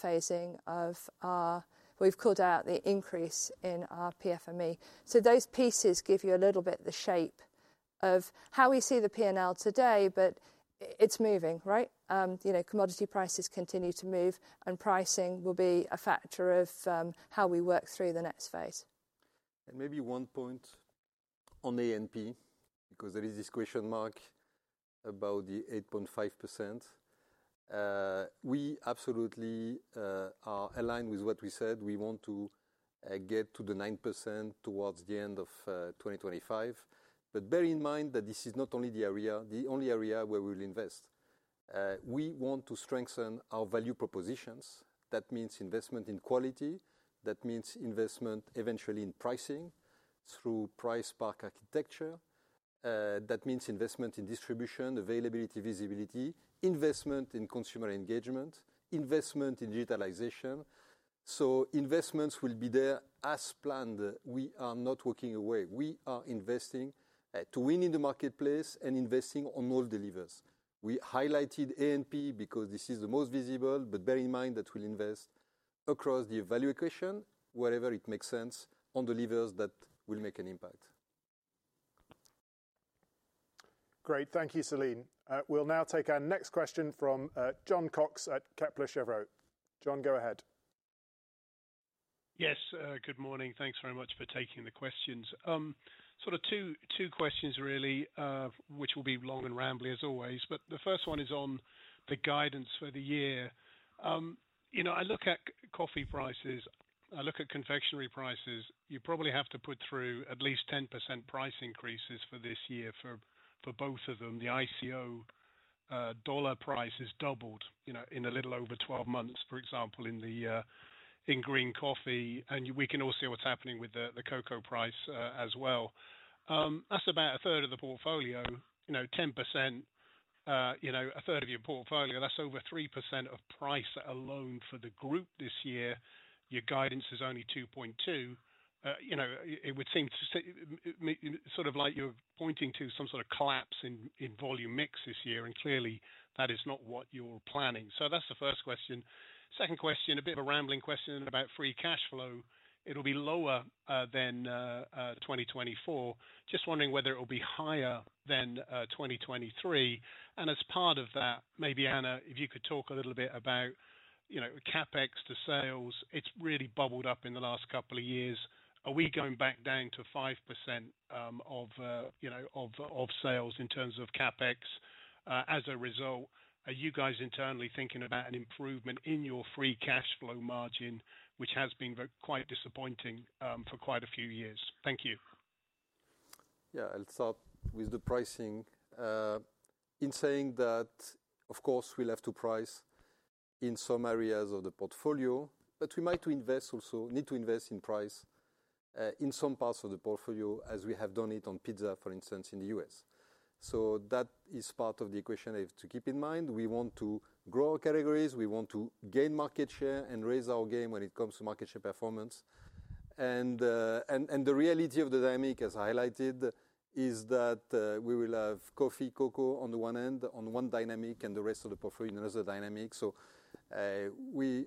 [SPEAKER 3] increase in our PFME. Those pieces give you a little bit the shape of how we see the P&L today, but it's moving, right? Commodity prices continue to move, and pricing will be a factor of how we work through the next phase.
[SPEAKER 2] Maybe one point on A&P, because there is this question mark about the 8.5%. We absolutely are aligned with what we said. We want to get to the 9% towards the end of 2025. But bear in mind that this is not only the only area where we will invest. We want to strengthen our value propositions. That means investment in quality. That means investment eventually in pricing through price pack architecture. That means investment in distribution, availability, visibility, investment in consumer engagement, investment in digitalization. So investments will be there as planned. We are not walking away. We are investing to win in the marketplace and investing on all the levers. We highlighted A&P because this is the most visible, but bear in mind that we'll invest across the value equation, wherever it makes sense, on the levers that will make an impact.
[SPEAKER 1] Great. Thank you, Celine. We'll now take our next question from Jon Cox at Kepler Cheuvreux. Jon, go ahead.
[SPEAKER 6] Yes, good morning. Thanks very much for taking the questions. Sort of two questions really, which will be long and rambly as always, but the first one is on the guidance for the year. I look at coffee prices. I look at confectionery prices. You probably have to put through at least 10% price increases for this year for both of them. The ICO dollar price has doubled in a little over 12 months, for example, in green coffee. And we can all see what's happening with the cocoa price as well. That's about a third of the portfolio, 10%, a third of your portfolio. That's over 3% of price alone for the group this year. Your guidance is only 2.2%. It would seem to sort of like you're pointing to some sort of collapse in volume mix this year, and clearly that is not what you're planning. So that's the first question. Second question, a bit of a rambling question about free cash flow. It'll be lower than 2024. Just wondering whether it will be higher than 2023. And as part of that, maybe, Anna, if you could talk a little bit about CapEx to sales. It's really bubbled up in the last couple of years. Are we going back down to 5% of sales in terms of CapEx? As a result, are you guys internally thinking about an improvement in your free cash flow margin, which has been quite disappointing for quite a few years? Thank you.
[SPEAKER 2] Yeah, I'll start with the pricing. In saying that, of course, we'll have to price in some areas of the portfolio, but we might need to invest in price in some parts of the portfolio, as we have done it on pizza, for instance, in the U.S. So that is part of the equation I have to keep in mind. We want to grow our categories. We want to gain market share and raise our game when it comes to market share performance. And the reality of the dynamic, as I highlighted, is that we will have coffee, cocoa on the one end, on one dynamic, and the rest of the portfolio in another dynamic. So we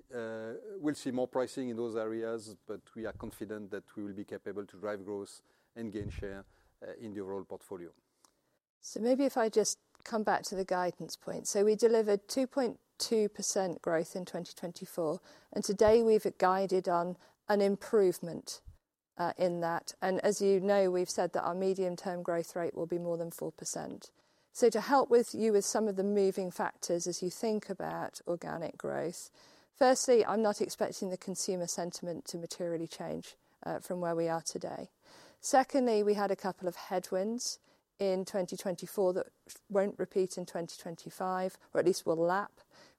[SPEAKER 2] will see more pricing in those areas, but we are confident that we will be capable to drive growth and gain share in the overall portfolio.
[SPEAKER 3] So maybe if I just come back to the guidance point. We delivered 2.2% growth in 2024. Today we've guided on an improvement in that. As you know, we've said that our medium-term growth rate will be more than 4%. To help you with some of the moving factors as you think about organic growth, firstly, I'm not expecting the consumer sentiment to materially change from where we are today. Secondly, we had a couple of headwinds in 2024 that won't repeat in 2025, or at least will lap,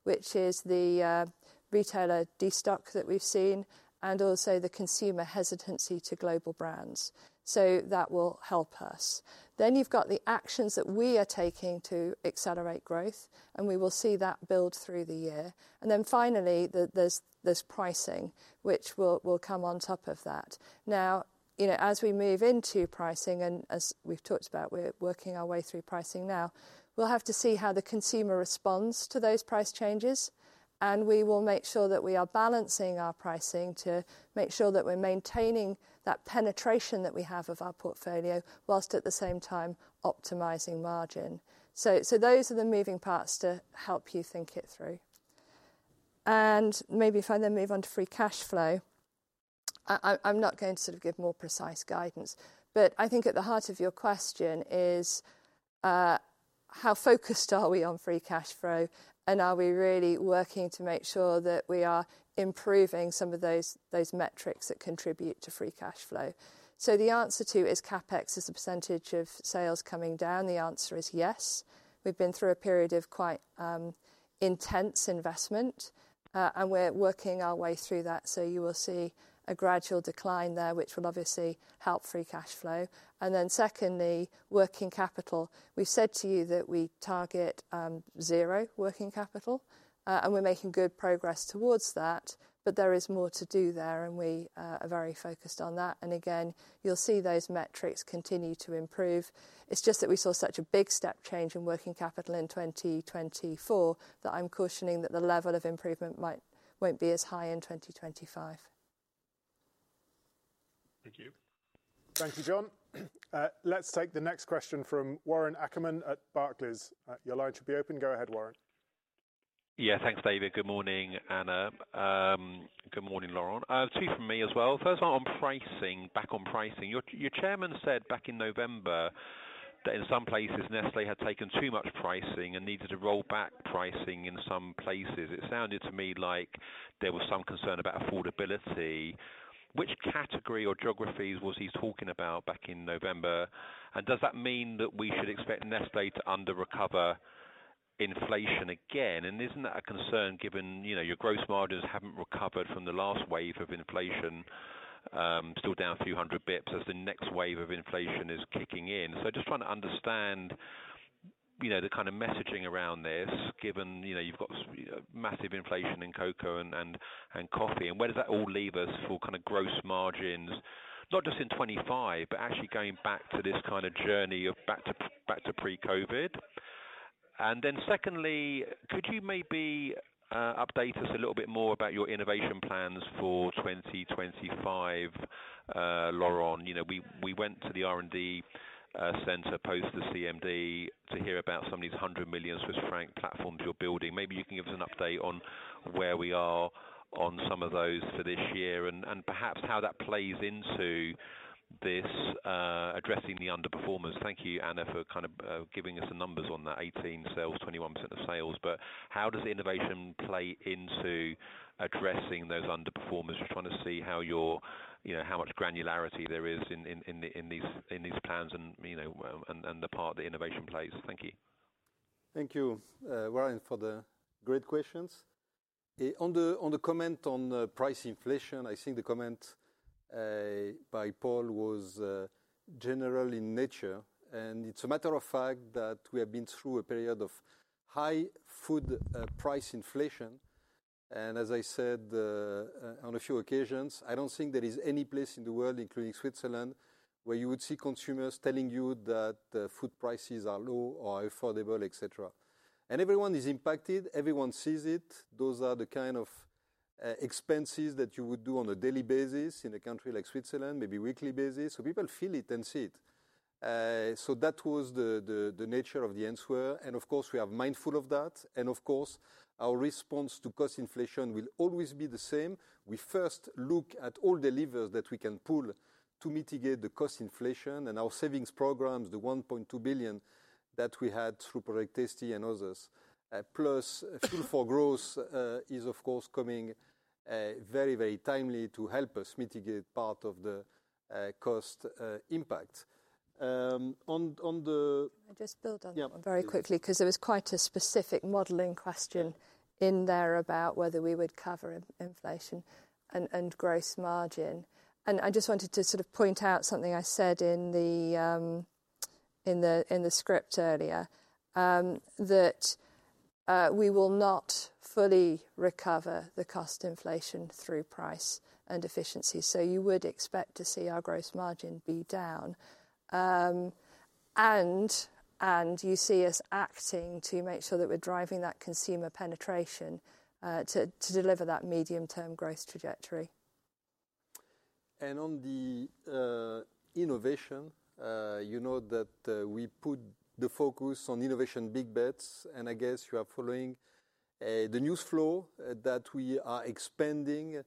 [SPEAKER 3] which is the retailer destock that we've seen and also the consumer hesitancy to global brands. That will help us. You've got the actions that we are taking to accelerate growth, and we will see that build through the year. Then finally, there's pricing, which will come on top of that. Now, as we move into pricing, and as we've talked about, we're working our way through pricing now, we'll have to see how the consumer responds to those price changes. And we will make sure that we are balancing our pricing to make sure that we're maintaining that penetration that we have of our portfolio, while at the same time optimizing margin. So those are the moving parts to help you think it through. And maybe if I then move on to free cash flow, I'm not going to sort of give more precise guidance. But I think at the heart of your question is how focused are we on free cash flow? And are we really working to make sure that we are improving some of those metrics that contribute to free cash flow? So the answer to is CapEx is the percentage of sales coming down. The answer is yes. We've been through a period of quite intense investment, and we're working our way through that. So you will see a gradual decline there, which will obviously help free cash flow. And then secondly, working capital. We've said to you that we target zero working capital, and we're making good progress towards that, but there is more to do there, and we are very focused on that. And again, you'll see those metrics continue to improve. It's just that we saw such a big step change in working capital in 2024 that I'm cautioning that the level of improvement won't be as high in 2025.
[SPEAKER 6] Thank you.
[SPEAKER 1] Thank you, Jon. Let's take the next question from Warren Ackerman at Barclays. Your line should be open. Go ahead, Warren.
[SPEAKER 7] Yeah, thanks, David. Good morning, Anna. Good morning, Laurent. Two from me as well first one, back on pricing. Your chairman said back in November that in some places, Nestlé had taken too much pricing and needed to roll back pricing in some places. It sounded to me like there was some concern about affordability. Which category or geographies was he talking about back in November? And does that mean that we should expect Nestlé to under-recover inflation again? And isn't that a concern given your gross margins haven't recovered from the last wave of inflation, still down a few hundred basis points as the next wave of inflation is kicking in? So just trying to understand the kind of messaging around this, given you've got massive inflation in cocoa and coffee. And where does that all leave us for kind of gross margins, not just in 25, but actually going back to this kind of journey of back to pre-COVID? Then secondly, could you maybe update us a little bit more about your innovation plans for 2025, Laurent? We went to the R&D center post the CMD to hear about some of these 100 million Swiss franc platforms you're building. Maybe you can give us an update on where we are on some of those for this year and perhaps how that plays into this addressing the underperformance. Thank you, Anna, for kind of giving us the numbers on that. 18 sales, 21% of sales. But how does innovation play into addressing those underperformers? Just trying to see how much granularity there is in these plans and the part that innovation plays. Thank you.
[SPEAKER 2] Thank you, Warren, for the great questions. On the comment on price inflation, I think the comment by Paul was general in nature. It's a matter of fact that we have been through a period of high food price inflation. As I said on a few occasions, I don't think there is any place in the world, including Switzerland, where you would see consumers telling you that food prices are low or affordable, etc. Everyone is impacted. Everyone sees it. Those are the kind of expenses that you would do on a daily basis in a country like Switzerland, maybe weekly basis. People feel it and see it. That was the nature of the answer. Of course, we are mindful of that. Of course, our response to cost inflation will always be the same. We first look at all the levers that we can pull to mitigate the cost inflation and our savings programs, the 1.2 billion that we had through Project Tasty and others. Plus, Fuel for Growth is, of course, coming very, very timely to help us mitigate part of the cost impact. I just built on very quickly because there was quite a specific modeling question in there about whether we would cover inflation and gross margin. And I just wanted to sort of point out something I said in the script earlier that we will not fully recover the cost inflation through price and efficiency. So you would expect to see our gross margin be down. And you see us acting to make sure that we're driving that consumer penetration to deliver that medium-term growth trajectory. And on the innovation, you know that we put the focus on innovation big bets. I guess you are following the news flow that we are expanding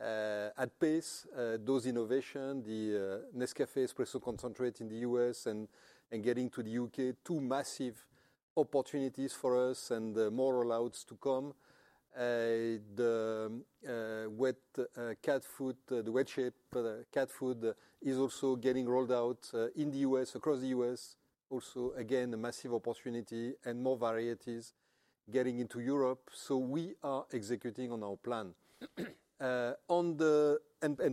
[SPEAKER 2] at pace those innovations, the Nescafé Espresso Concentrate in the U.S. and getting to the U.K., two massive opportunities for us and more rollouts to come. The wet cat food, the wet sachet cat food is also getting rolled out in the U.S., across the U.S. Also, again, a massive opportunity and more varieties getting into Europe. We are executing on our plan and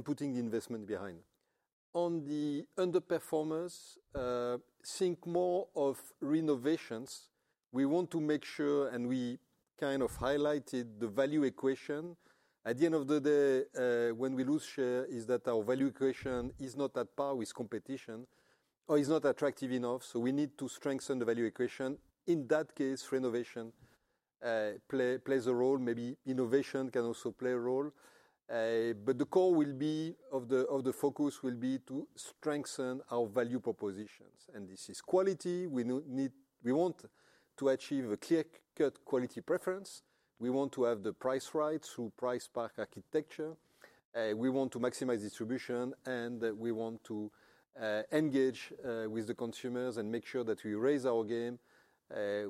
[SPEAKER 2] putting the investment behind. On the underperformance, think more of renovations. We want to make sure, and we kind of highlighted the value equation. At the end of the day, when we lose share, is that our value equation is not at par with competition or is not attractive enough. We need to strengthen the value equation. In that case, renovation plays a role. Maybe innovation can also play a role. But the core of the focus will be to strengthen our value propositions. This is quality. We want to achieve a clear-cut quality preference. We want to have the price right through price pack architecture. We want to maximize distribution, and we want to engage with the consumers and make sure that we raise our game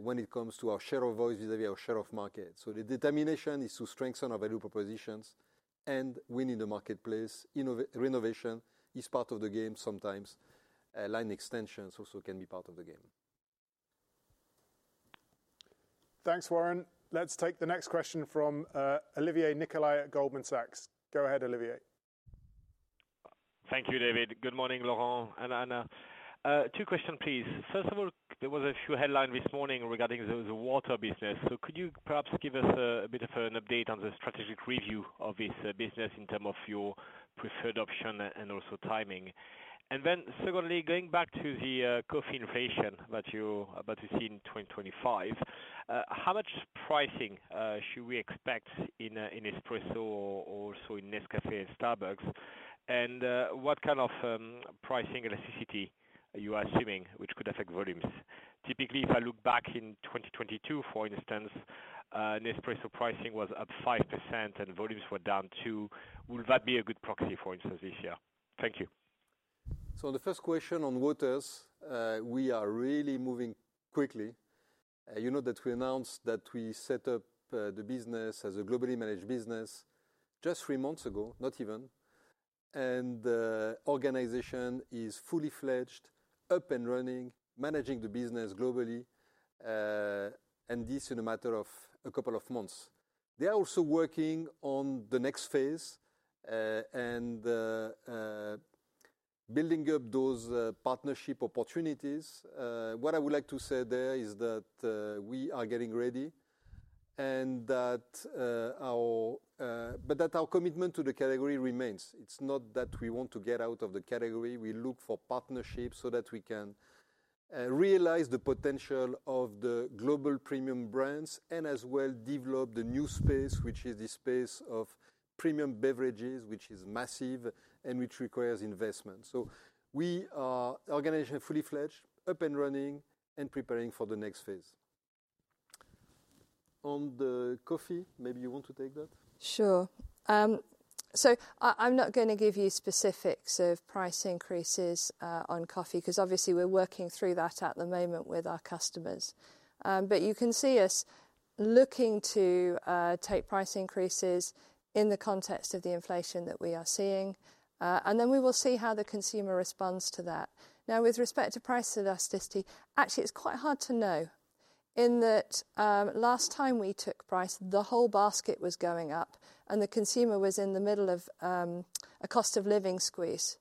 [SPEAKER 2] when it comes to our share of voice vis-à-vis our share of market. The determination is to strengthen our value propositions and win in the marketplace. Renovation is part of the game. Sometimes line extensions also can be part of the game.
[SPEAKER 1] Thanks, Warren. Let's take the next question from Olivier Nicolai at Goldman Sachs. Go ahead, Olivier.
[SPEAKER 8] Thank you, David. Good morning, Laurent and Anna. Two questions, please. First of all, there was a few headlines this morning regarding the water business. So could you perhaps give us a bit of an update on the strategic review of this business in terms of your preferred option and also timing? And then secondly, going back to the coffee inflation that you see in 2025, how much pricing should we expect in Nespresso or also in Nescafé and Starbucks? And what kind of pricing elasticity are you assuming, which could affect volumes? Typically, if I look back in 2022, for instance, Nespresso pricing was up 5% and volumes were down 2%. Will that be a good proxy, for instance, this year? Thank you.
[SPEAKER 2] So the first question on waters, we are really moving quickly. You know that we announced that we set up the business as a globally managed business just three months ago, not even. And the organization is fully fledged, up and running, managing the business globally, and this in a matter of a couple of months. They are also working on the next phase and building up those partnership opportunities. What I would like to say there is that we are getting ready and that our commitment to the category remains. It's not that we want to get out of the category. We look for partnerships so that we can realize the potential of the global premium brands and as well develop the new space, which is the space of premium beverages, which is massive and which requires investment. So we are organizing fully fledged, up and running, and preparing for the next phase. On the coffee, maybe you want to take that?
[SPEAKER 3] Sure. So I'm not going to give you specifics of price increases on coffee because obviously we're working through that at the moment with our customers. But you can see us looking to take price increases in the context of the inflation that we are seeing. And then we will see how the consumer responds to that. Now, with respect to price elasticity, actually, it's quite hard to know. In that last time we took price, the whole basket was going up and the consumer was in the middle of a cost of living squeeze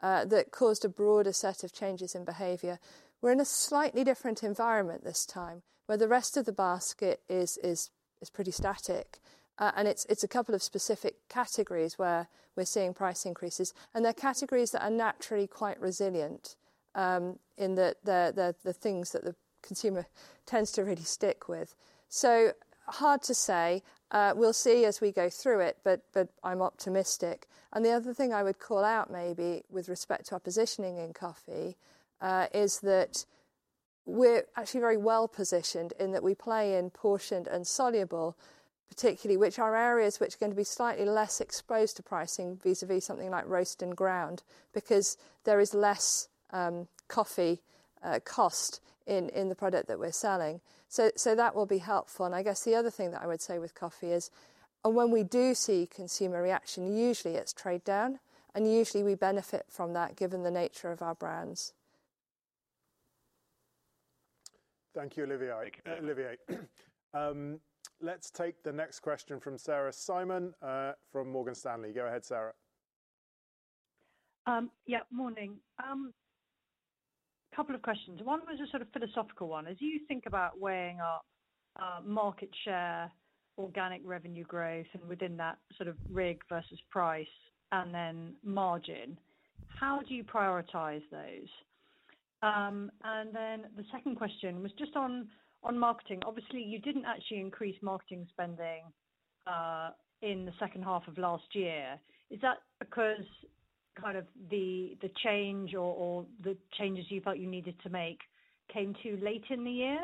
[SPEAKER 3] that caused a broader set of changes in behavior. We're in a slightly different environment this time where the rest of the basket is pretty static. And it's a couple of specific categories where we're seeing price increases. They're categories that are naturally quite resilient in the things that the consumer tends to really stick with. So hard to say. We'll see as we go through it, but I'm optimistic. The other thing I would call out maybe with respect to our positioning in coffee is that we're actually very well positioned in that we play in portioned and soluble, particularly which are areas which are going to be slightly less exposed to pricing vis-à-vis something like roast and ground because there is less coffee cost in the product that we're selling. So that will be helpful. I guess the other thing that I would say with coffee is when we do see consumer reaction, usually it's trade down. Usually we benefit from that given the nature of our brands.
[SPEAKER 1] Thank you, Olivier. Let's take the next question from Sarah Simon from Morgan Stanley. Go ahead, Sarah.
[SPEAKER 9] Yep, morning. A couple of questions. One was a sort of philosophical one. As you think about weighing up market share, organic revenue growth, and within that sort of RIG versus price and then margin, how do you prioritize those? And then the second question was just on marketing. Obviously, you didn't actually increase marketing spending in the second half of last year. Is that because kind of the change or the changes you felt you needed to make came too late in the year?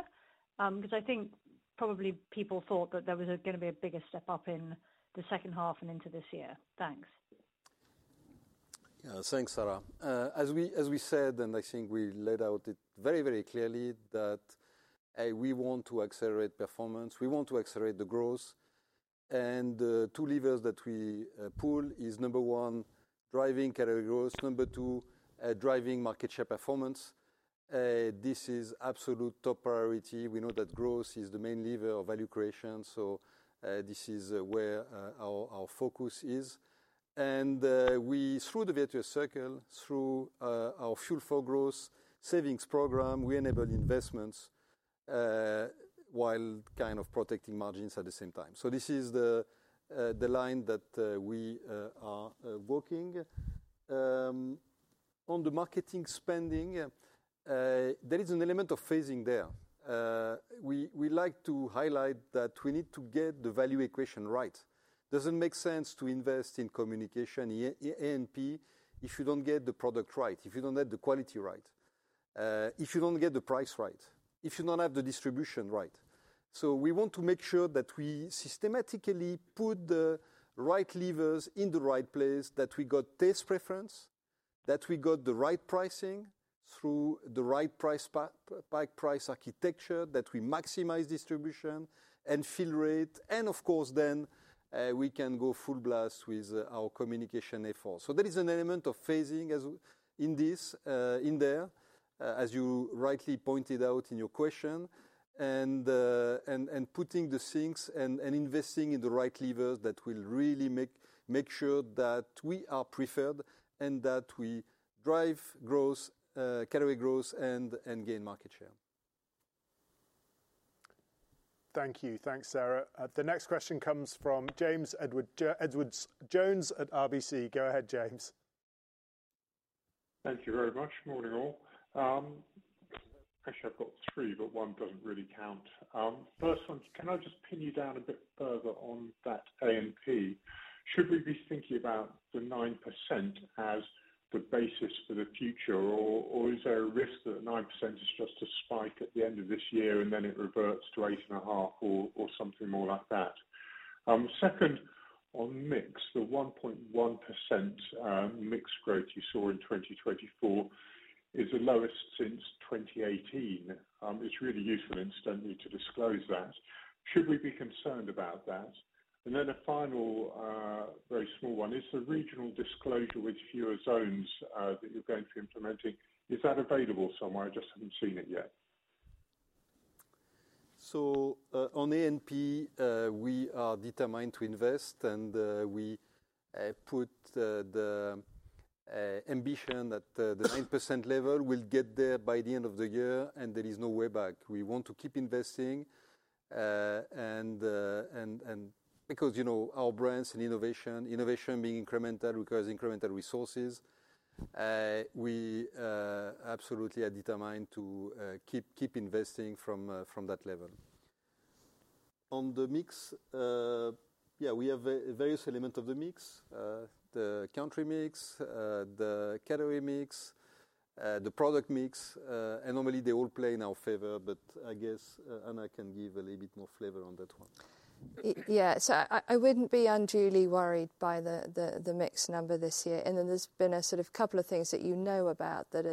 [SPEAKER 9] Because I think probably people thought that there was going to be a bigger step up in the second half and into this year. Thanks.
[SPEAKER 2] Yeah, thanks, Sarah. As we said, and I think we laid it out very, very clearly that we want to accelerate performance. We want to accelerate the growth, and the two levers that we pull is number one, driving category growth. Number two, driving market share performance. This is absolute top priority. We know that growth is the main lever of value creation. So this is where our focus is, and through the virtuous circle, through our Fuel for Growth savings program, we enable investments while kind of protecting margins at the same time. So this is the line that we are working. On the marketing spending, there is an element of phasing there. We like to highlight that we need to get the value equation right. It doesn't make sense to invest in communication, A&P, if you don't get the product right, if you don't get the quality right, if you don't get the price right, if you don't have the distribution right. So we want to make sure that we systematically put the right levers in the right place, that we got taste preference, that we got the right pricing through the right price pack architecture, that we maximize distribution and fill rate. And of course, then we can go full blast with our communication efforts. So there is an element of phasing in there, as you rightly pointed out in your question, and putting the things and investing in the right levers that will really make sure that we are preferred and that we drive growth, category growth, and gain market share.
[SPEAKER 1] Thank you. Thanks, Sarah. The next question comes from James Edwardes Jones at RBC. Go ahead, James.
[SPEAKER 10] Thank you very much. Morning all. Actually, I've got three, but one doesn't really count. First one, can I just pin you down a bit further on that A&P? Should we be thinking about the 9% as the basis for the future, or is there a risk that 9% is just a spike at the end of this year and then it reverts to 8.5% or something more like that? Second, on mix, the 1.1% mix growth you saw in 2024 is the lowest since 2018. It's really useful incidentally to disclose that. Should we be concerned about that? And then a final very small one is the regional disclosure with fewer zones that you're going to be implementing. Is that available somewhere? I just haven't seen it yet.
[SPEAKER 2] On A&P, we are determined to invest, and we put the ambition that the 9% level will get there by the end of the year, and there is no way back. We want to keep investing. And because our brands and innovation, innovation being incremental, requires incremental resources, we absolutely are determined to keep investing from that level. On the mix, yeah, we have various elements of the mix, the country mix, the category mix, the product mix. And normally they all play in our favor, but I guess Anna can give a little bit more flavor on that one.
[SPEAKER 3] Yeah, so I wouldn't be unduly worried by the mix number this year. And then there's been a sort of couple of things that you know about that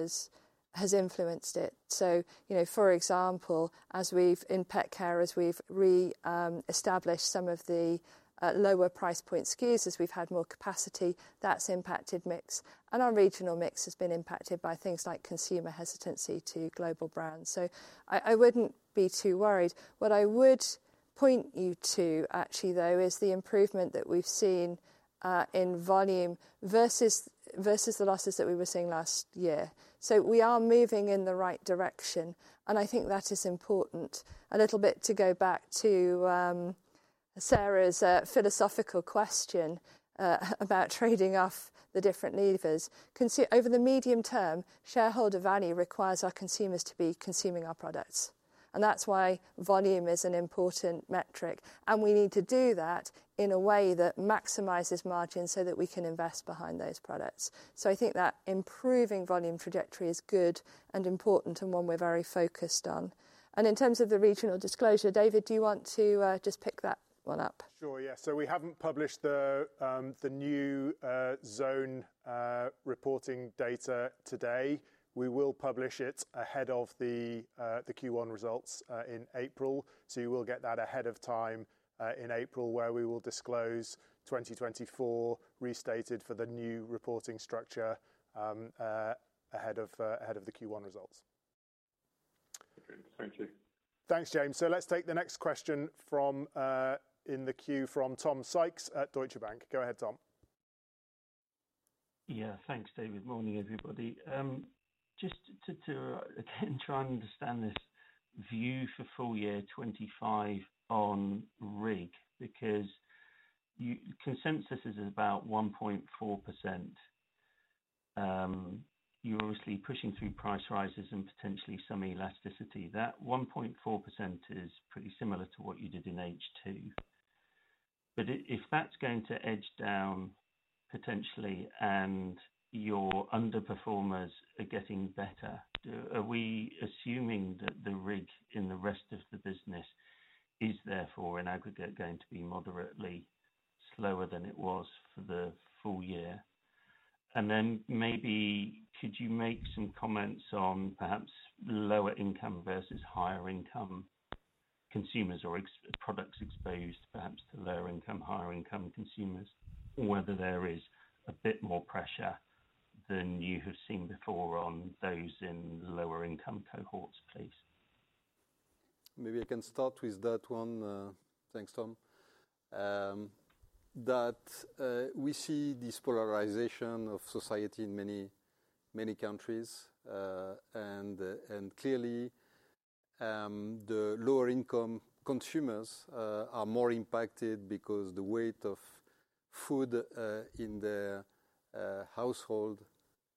[SPEAKER 3] has influenced it. So for example, in pet care, as we've re-established some of the lower price point SKUs, as we've had more capacity, that's impacted mix. And our regional mix has been impacted by things like consumer hesitancy to global brands. So I wouldn't be too worried. What I would point you to, actually, though, is the improvement that we've seen in volume versus the losses that we were seeing last year. So we are moving in the right direction. And I think that is important. A little bit to go back to Sarah's philosophical question about trading off the different levers. Over the medium term, shareholder value requires our consumers to be consuming our products. And that's why volume is an important metric. And we need to do that in a way that maximizes margin so that we can invest behind those products. So I think that improving volume trajectory is good and important and one we're very focused on. And in terms of the regional disclosure, David, do you want to just pick that one up?
[SPEAKER 1] Sure, yeah. So we haven't published the new zone reporting data today. We will publish it ahead of the Q1 results in April. So you will get that ahead of time in April where we will disclose 2024 restated for the new reporting structure ahead of the Q1 results. Thank you. Thanks, James. So let's take the next question in the queue from Tom Sykes at Deutsche Bank. Go ahead, Tom.
[SPEAKER 11] Yeah, thanks, David. Morning, everybody. Just to again try and understand this view for full year 2025 on RIG because consensus is about 1.4%. You're obviously pushing through price rises and potentially some elasticity. That 1.4% is pretty similar to what you did in H2. But if that's going to edge down potentially and your underperformers are getting better, are we assuming that the RIG in the rest of the business is therefore in aggregate going to be moderately slower than it was for the full year? Then maybe could you make some comments on perhaps lower income versus higher income consumers or products exposed perhaps to lower income, higher income consumers, whether there is a bit more pressure than you have seen before on those in lower income cohorts, please?
[SPEAKER 2] Maybe I can start with that one. Thanks, Tom. That we see this polarization of society in many countries. And clearly, the lower income consumers are more impacted because the weight of food in their household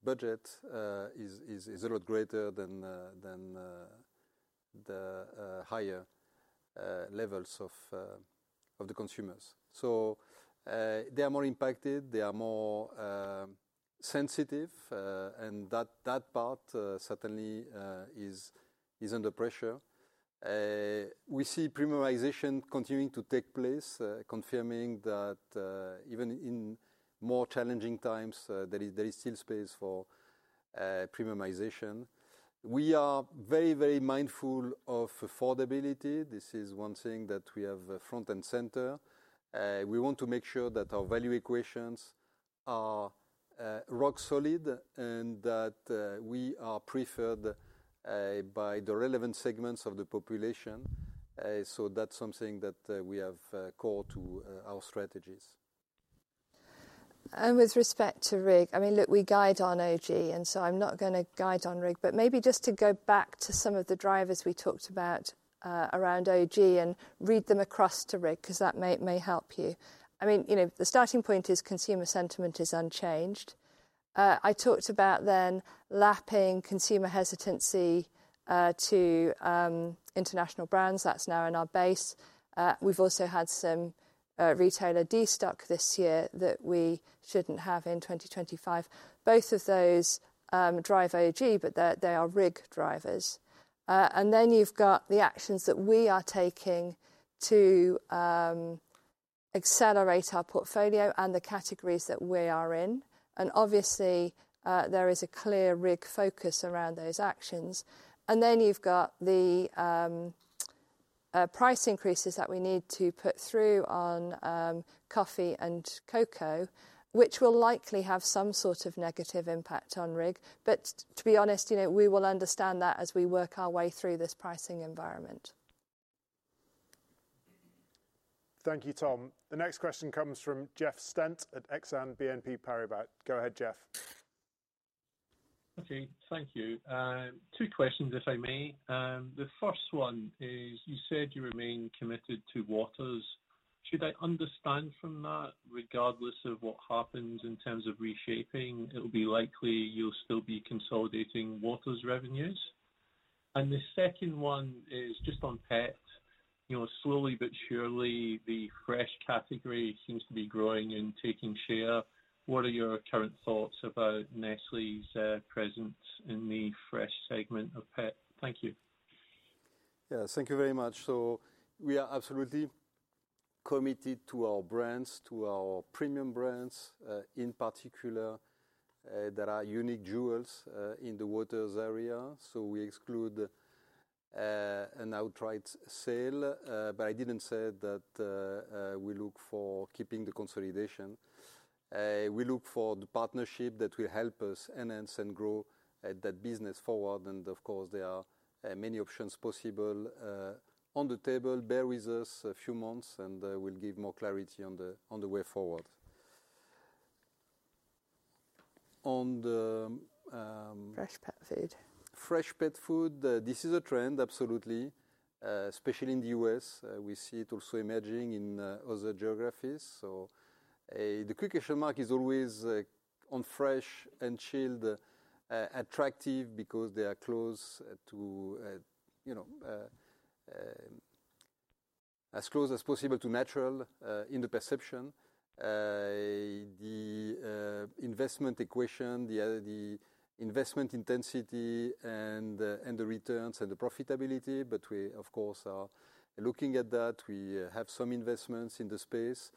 [SPEAKER 2] budget is a lot greater than the higher levels of the consumers. So they are more impacted. They are more sensitive. And that part certainly is under pressure. We see premiumization continuing to take place, confirming that even in more challenging times, there is still space for premiumization. We are very, very mindful of affordability. This is one thing that we have front and center. We want to make sure that our value equations are rock solid and that we are preferred by the relevant segments of the population. So that's something that we have called to our strategies.
[SPEAKER 3] And with respect to RIG, I mean, look, we guide on OG. And so I'm not going to guide on RIG. But maybe just to go back to some of the drivers we talked about around OG and read them across to RIG because that may help you. I mean, the starting point is consumer sentiment is unchanged. I talked about then lapping consumer hesitancy to international brands. That's now in our base. We've also had some retailer destock this year that we shouldn't have in 2025. Both of those drive OG, but they are RIG drivers. And then you've got the actions that we are taking to accelerate our portfolio and the categories that we are in. And obviously, there is a clear RIG focus around those actions. And then you've got the price increases that we need to put through on coffee and cocoa, which will likely have some sort of negative impact on RIG. But to be honest, we will understand that as we work our way through this pricing environment.
[SPEAKER 1] Thank you, Tom. The next question comes from Jeff Stent at Exane BNP Paribas. Go ahead, Jeff.
[SPEAKER 12] Okay, thank you. Two questions, if I may. The first one is you said you remain committed to Waters. Should I understand from that, regardless of what happens in terms of reshaping, it will be likely you'll still be consolidating Waters revenues? And the second one is just on pets. Slowly but surely, the fresh category seems to be growing and taking share. What are your current thoughts about Nestlé's presence in the fresh segment of pet? Thank you.
[SPEAKER 2] Yeah, thank you very much. So we are absolutely committed to our brands, to our premium brands in particular that are unique jewels in the water area. So we exclude an outright sale. But I didn't say that we look for keeping the consolidation. We look for the partnership that will help us enhance and grow that business forward. And of course, there are many options possible on the table. Bear with us a few months, and we'll give more clarity on the way forward. On the fresh pet food. Fresh pet food, this is a trend, absolutely, especially in the U.S. We see it also emerging in other geographies. So the quick question? is always on fresh and chilled attractive because they are as close as possible to natural in the perception. The investment equation, the investment intensity and the returns and the profitability. But we, of course, are looking at that. We have some investments in the space.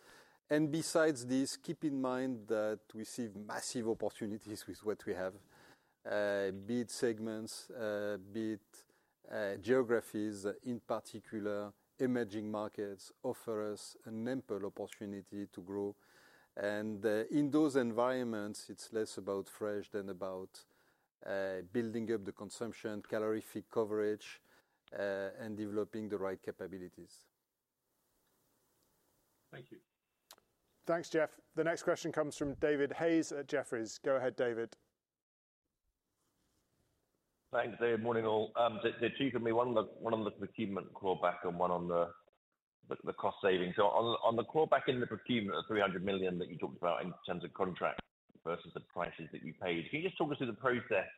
[SPEAKER 2] And besides this, keep in mind that we see massive opportunities with what we have, be it segments, be it geographies in particular, emerging markets offer us an ample opportunity to grow. And in those environments, it is less about fresh than about building up the consumption, calorific coverage, and developing the right capabilities.
[SPEAKER 12] Thank you.
[SPEAKER 1] Thanks, Jeff. The next question comes from David Hayes at Jefferies. Go ahead, David.
[SPEAKER 13] Thanks, David. Morning all. I have two: one on the procurement and one on the cost savings. So on the core backlog in the procurement of 300 million that you talked about in terms of contract versus the prices that you paid, can you just talk us through the process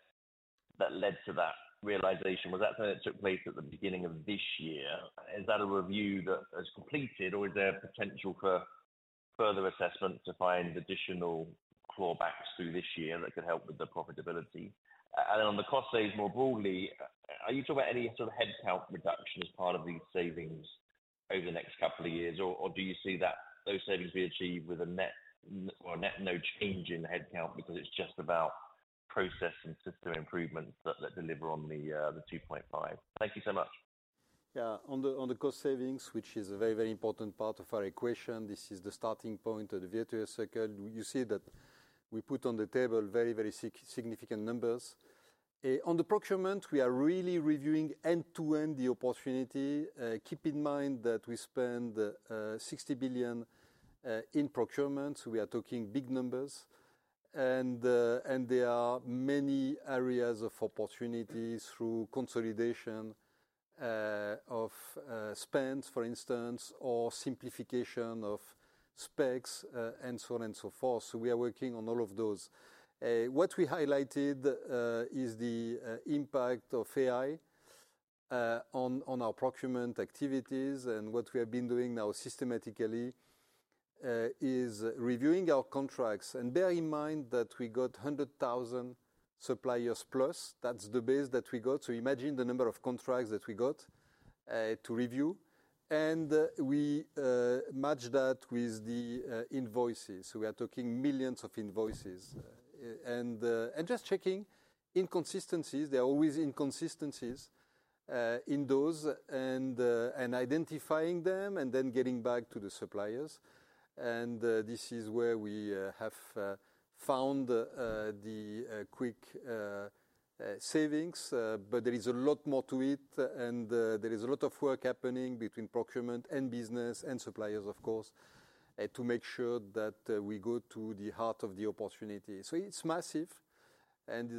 [SPEAKER 13] that led to that realization? Was that something that took place at the beginning of this year? Is that a review that has completed, or is there potential for further assessment to find additional clawbacks through this year that could help with the profitability? And then on the cost savings more broadly, are you talking about any sort of headcount reduction as part of these savings over the next couple of years, or do you see that those savings be achieved with a net or net no change in headcount because it's just about process and system improvement that deliver on the 2.5? Thank you so much.
[SPEAKER 2] Yeah, on the cost savings, which is a very, very important part of our equation, this is the starting point of the virtuous circle. You see that we put on the table very, very significant numbers. On the procurement, we are really reviewing end-to-end the opportunity. Keep in mind that we spend 60 billion in procurement. So we are talking big numbers. And there are many areas of opportunity through consolidation of spends, for instance, or simplification of specs and so on and so forth. So we are working on all of those. What we highlighted is the impact of AI on our procurement activities. And what we have been doing now systematically is reviewing our contracts. And bear in mind that we got 100,000 suppliers plus. That's the base that we got. So imagine the number of contracts that we got to review. And we match that with the invoices. So we are talking millions of invoices. And just checking inconsistencies. There are always inconsistencies in those and identifying them and then getting back to the suppliers. And this is where we have found the quick savings. But there is a lot more to it. And there is a lot of work happening between procurement and business and suppliers, of course, to make sure that we go to the heart of the opportunity. So it's massive. And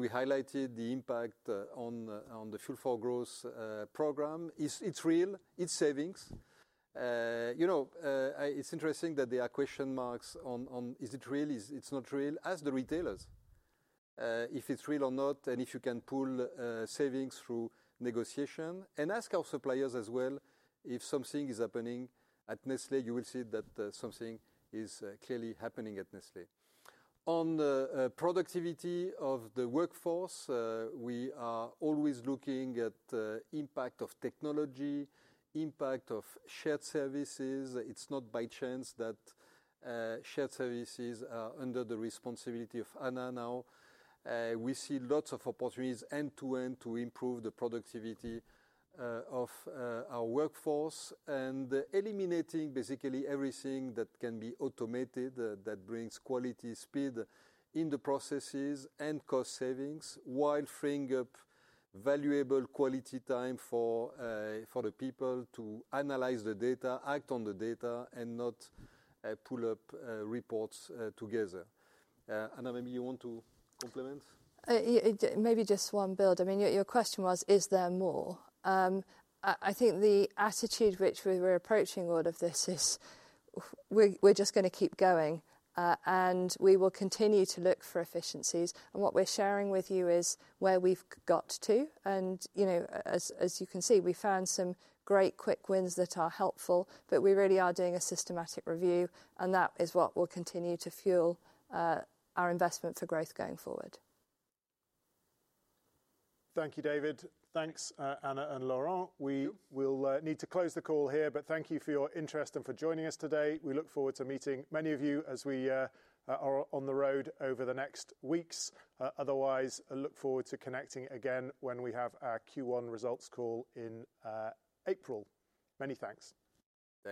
[SPEAKER 2] we highlighted the impact on the Fuel for Growth program. It's real. It's savings. It's interesting that there are question marks on is it real? It's not real. Ask the retailers if it's real or not and if you can pull savings through negotiation. And ask our suppliers as well if something is happening at Nestlé. You will see that something is clearly happening at Nestlé. On the productivity of the workforce, we are always looking at the impact of technology, impact of shared services. It's not by chance that shared services are under the responsibility of Anna now. We see lots of opportunities end to end to improve the productivity of our workforce and eliminating basically everything that can be automated that brings quality speed in the processes and cost savings while freeing up valuable quality time for the people to analyze the data, act on the data, and not pull up reports together. Anna, maybe you want to complement?
[SPEAKER 3] Maybe just one build. I mean, your question was, is there more? I think the attitude which we're approaching all of this is we're just going to keep going. We will continue to look for efficiencies. What we're sharing with you is where we've got to. As you can see, we found some great quick wins that are helpful. We really are doing a systematic review. That is what will continue to fuel our investment for growth going forward.
[SPEAKER 1] Thank you, David. Thanks, Anna and Laurent. We will need to close the call here. Thank you for your interest and for joining us today. We look forward to meeting many of you as we are on the road over the next weeks. Otherwise, I look forward to connecting again when we have our Q1 results call in April. Many thanks.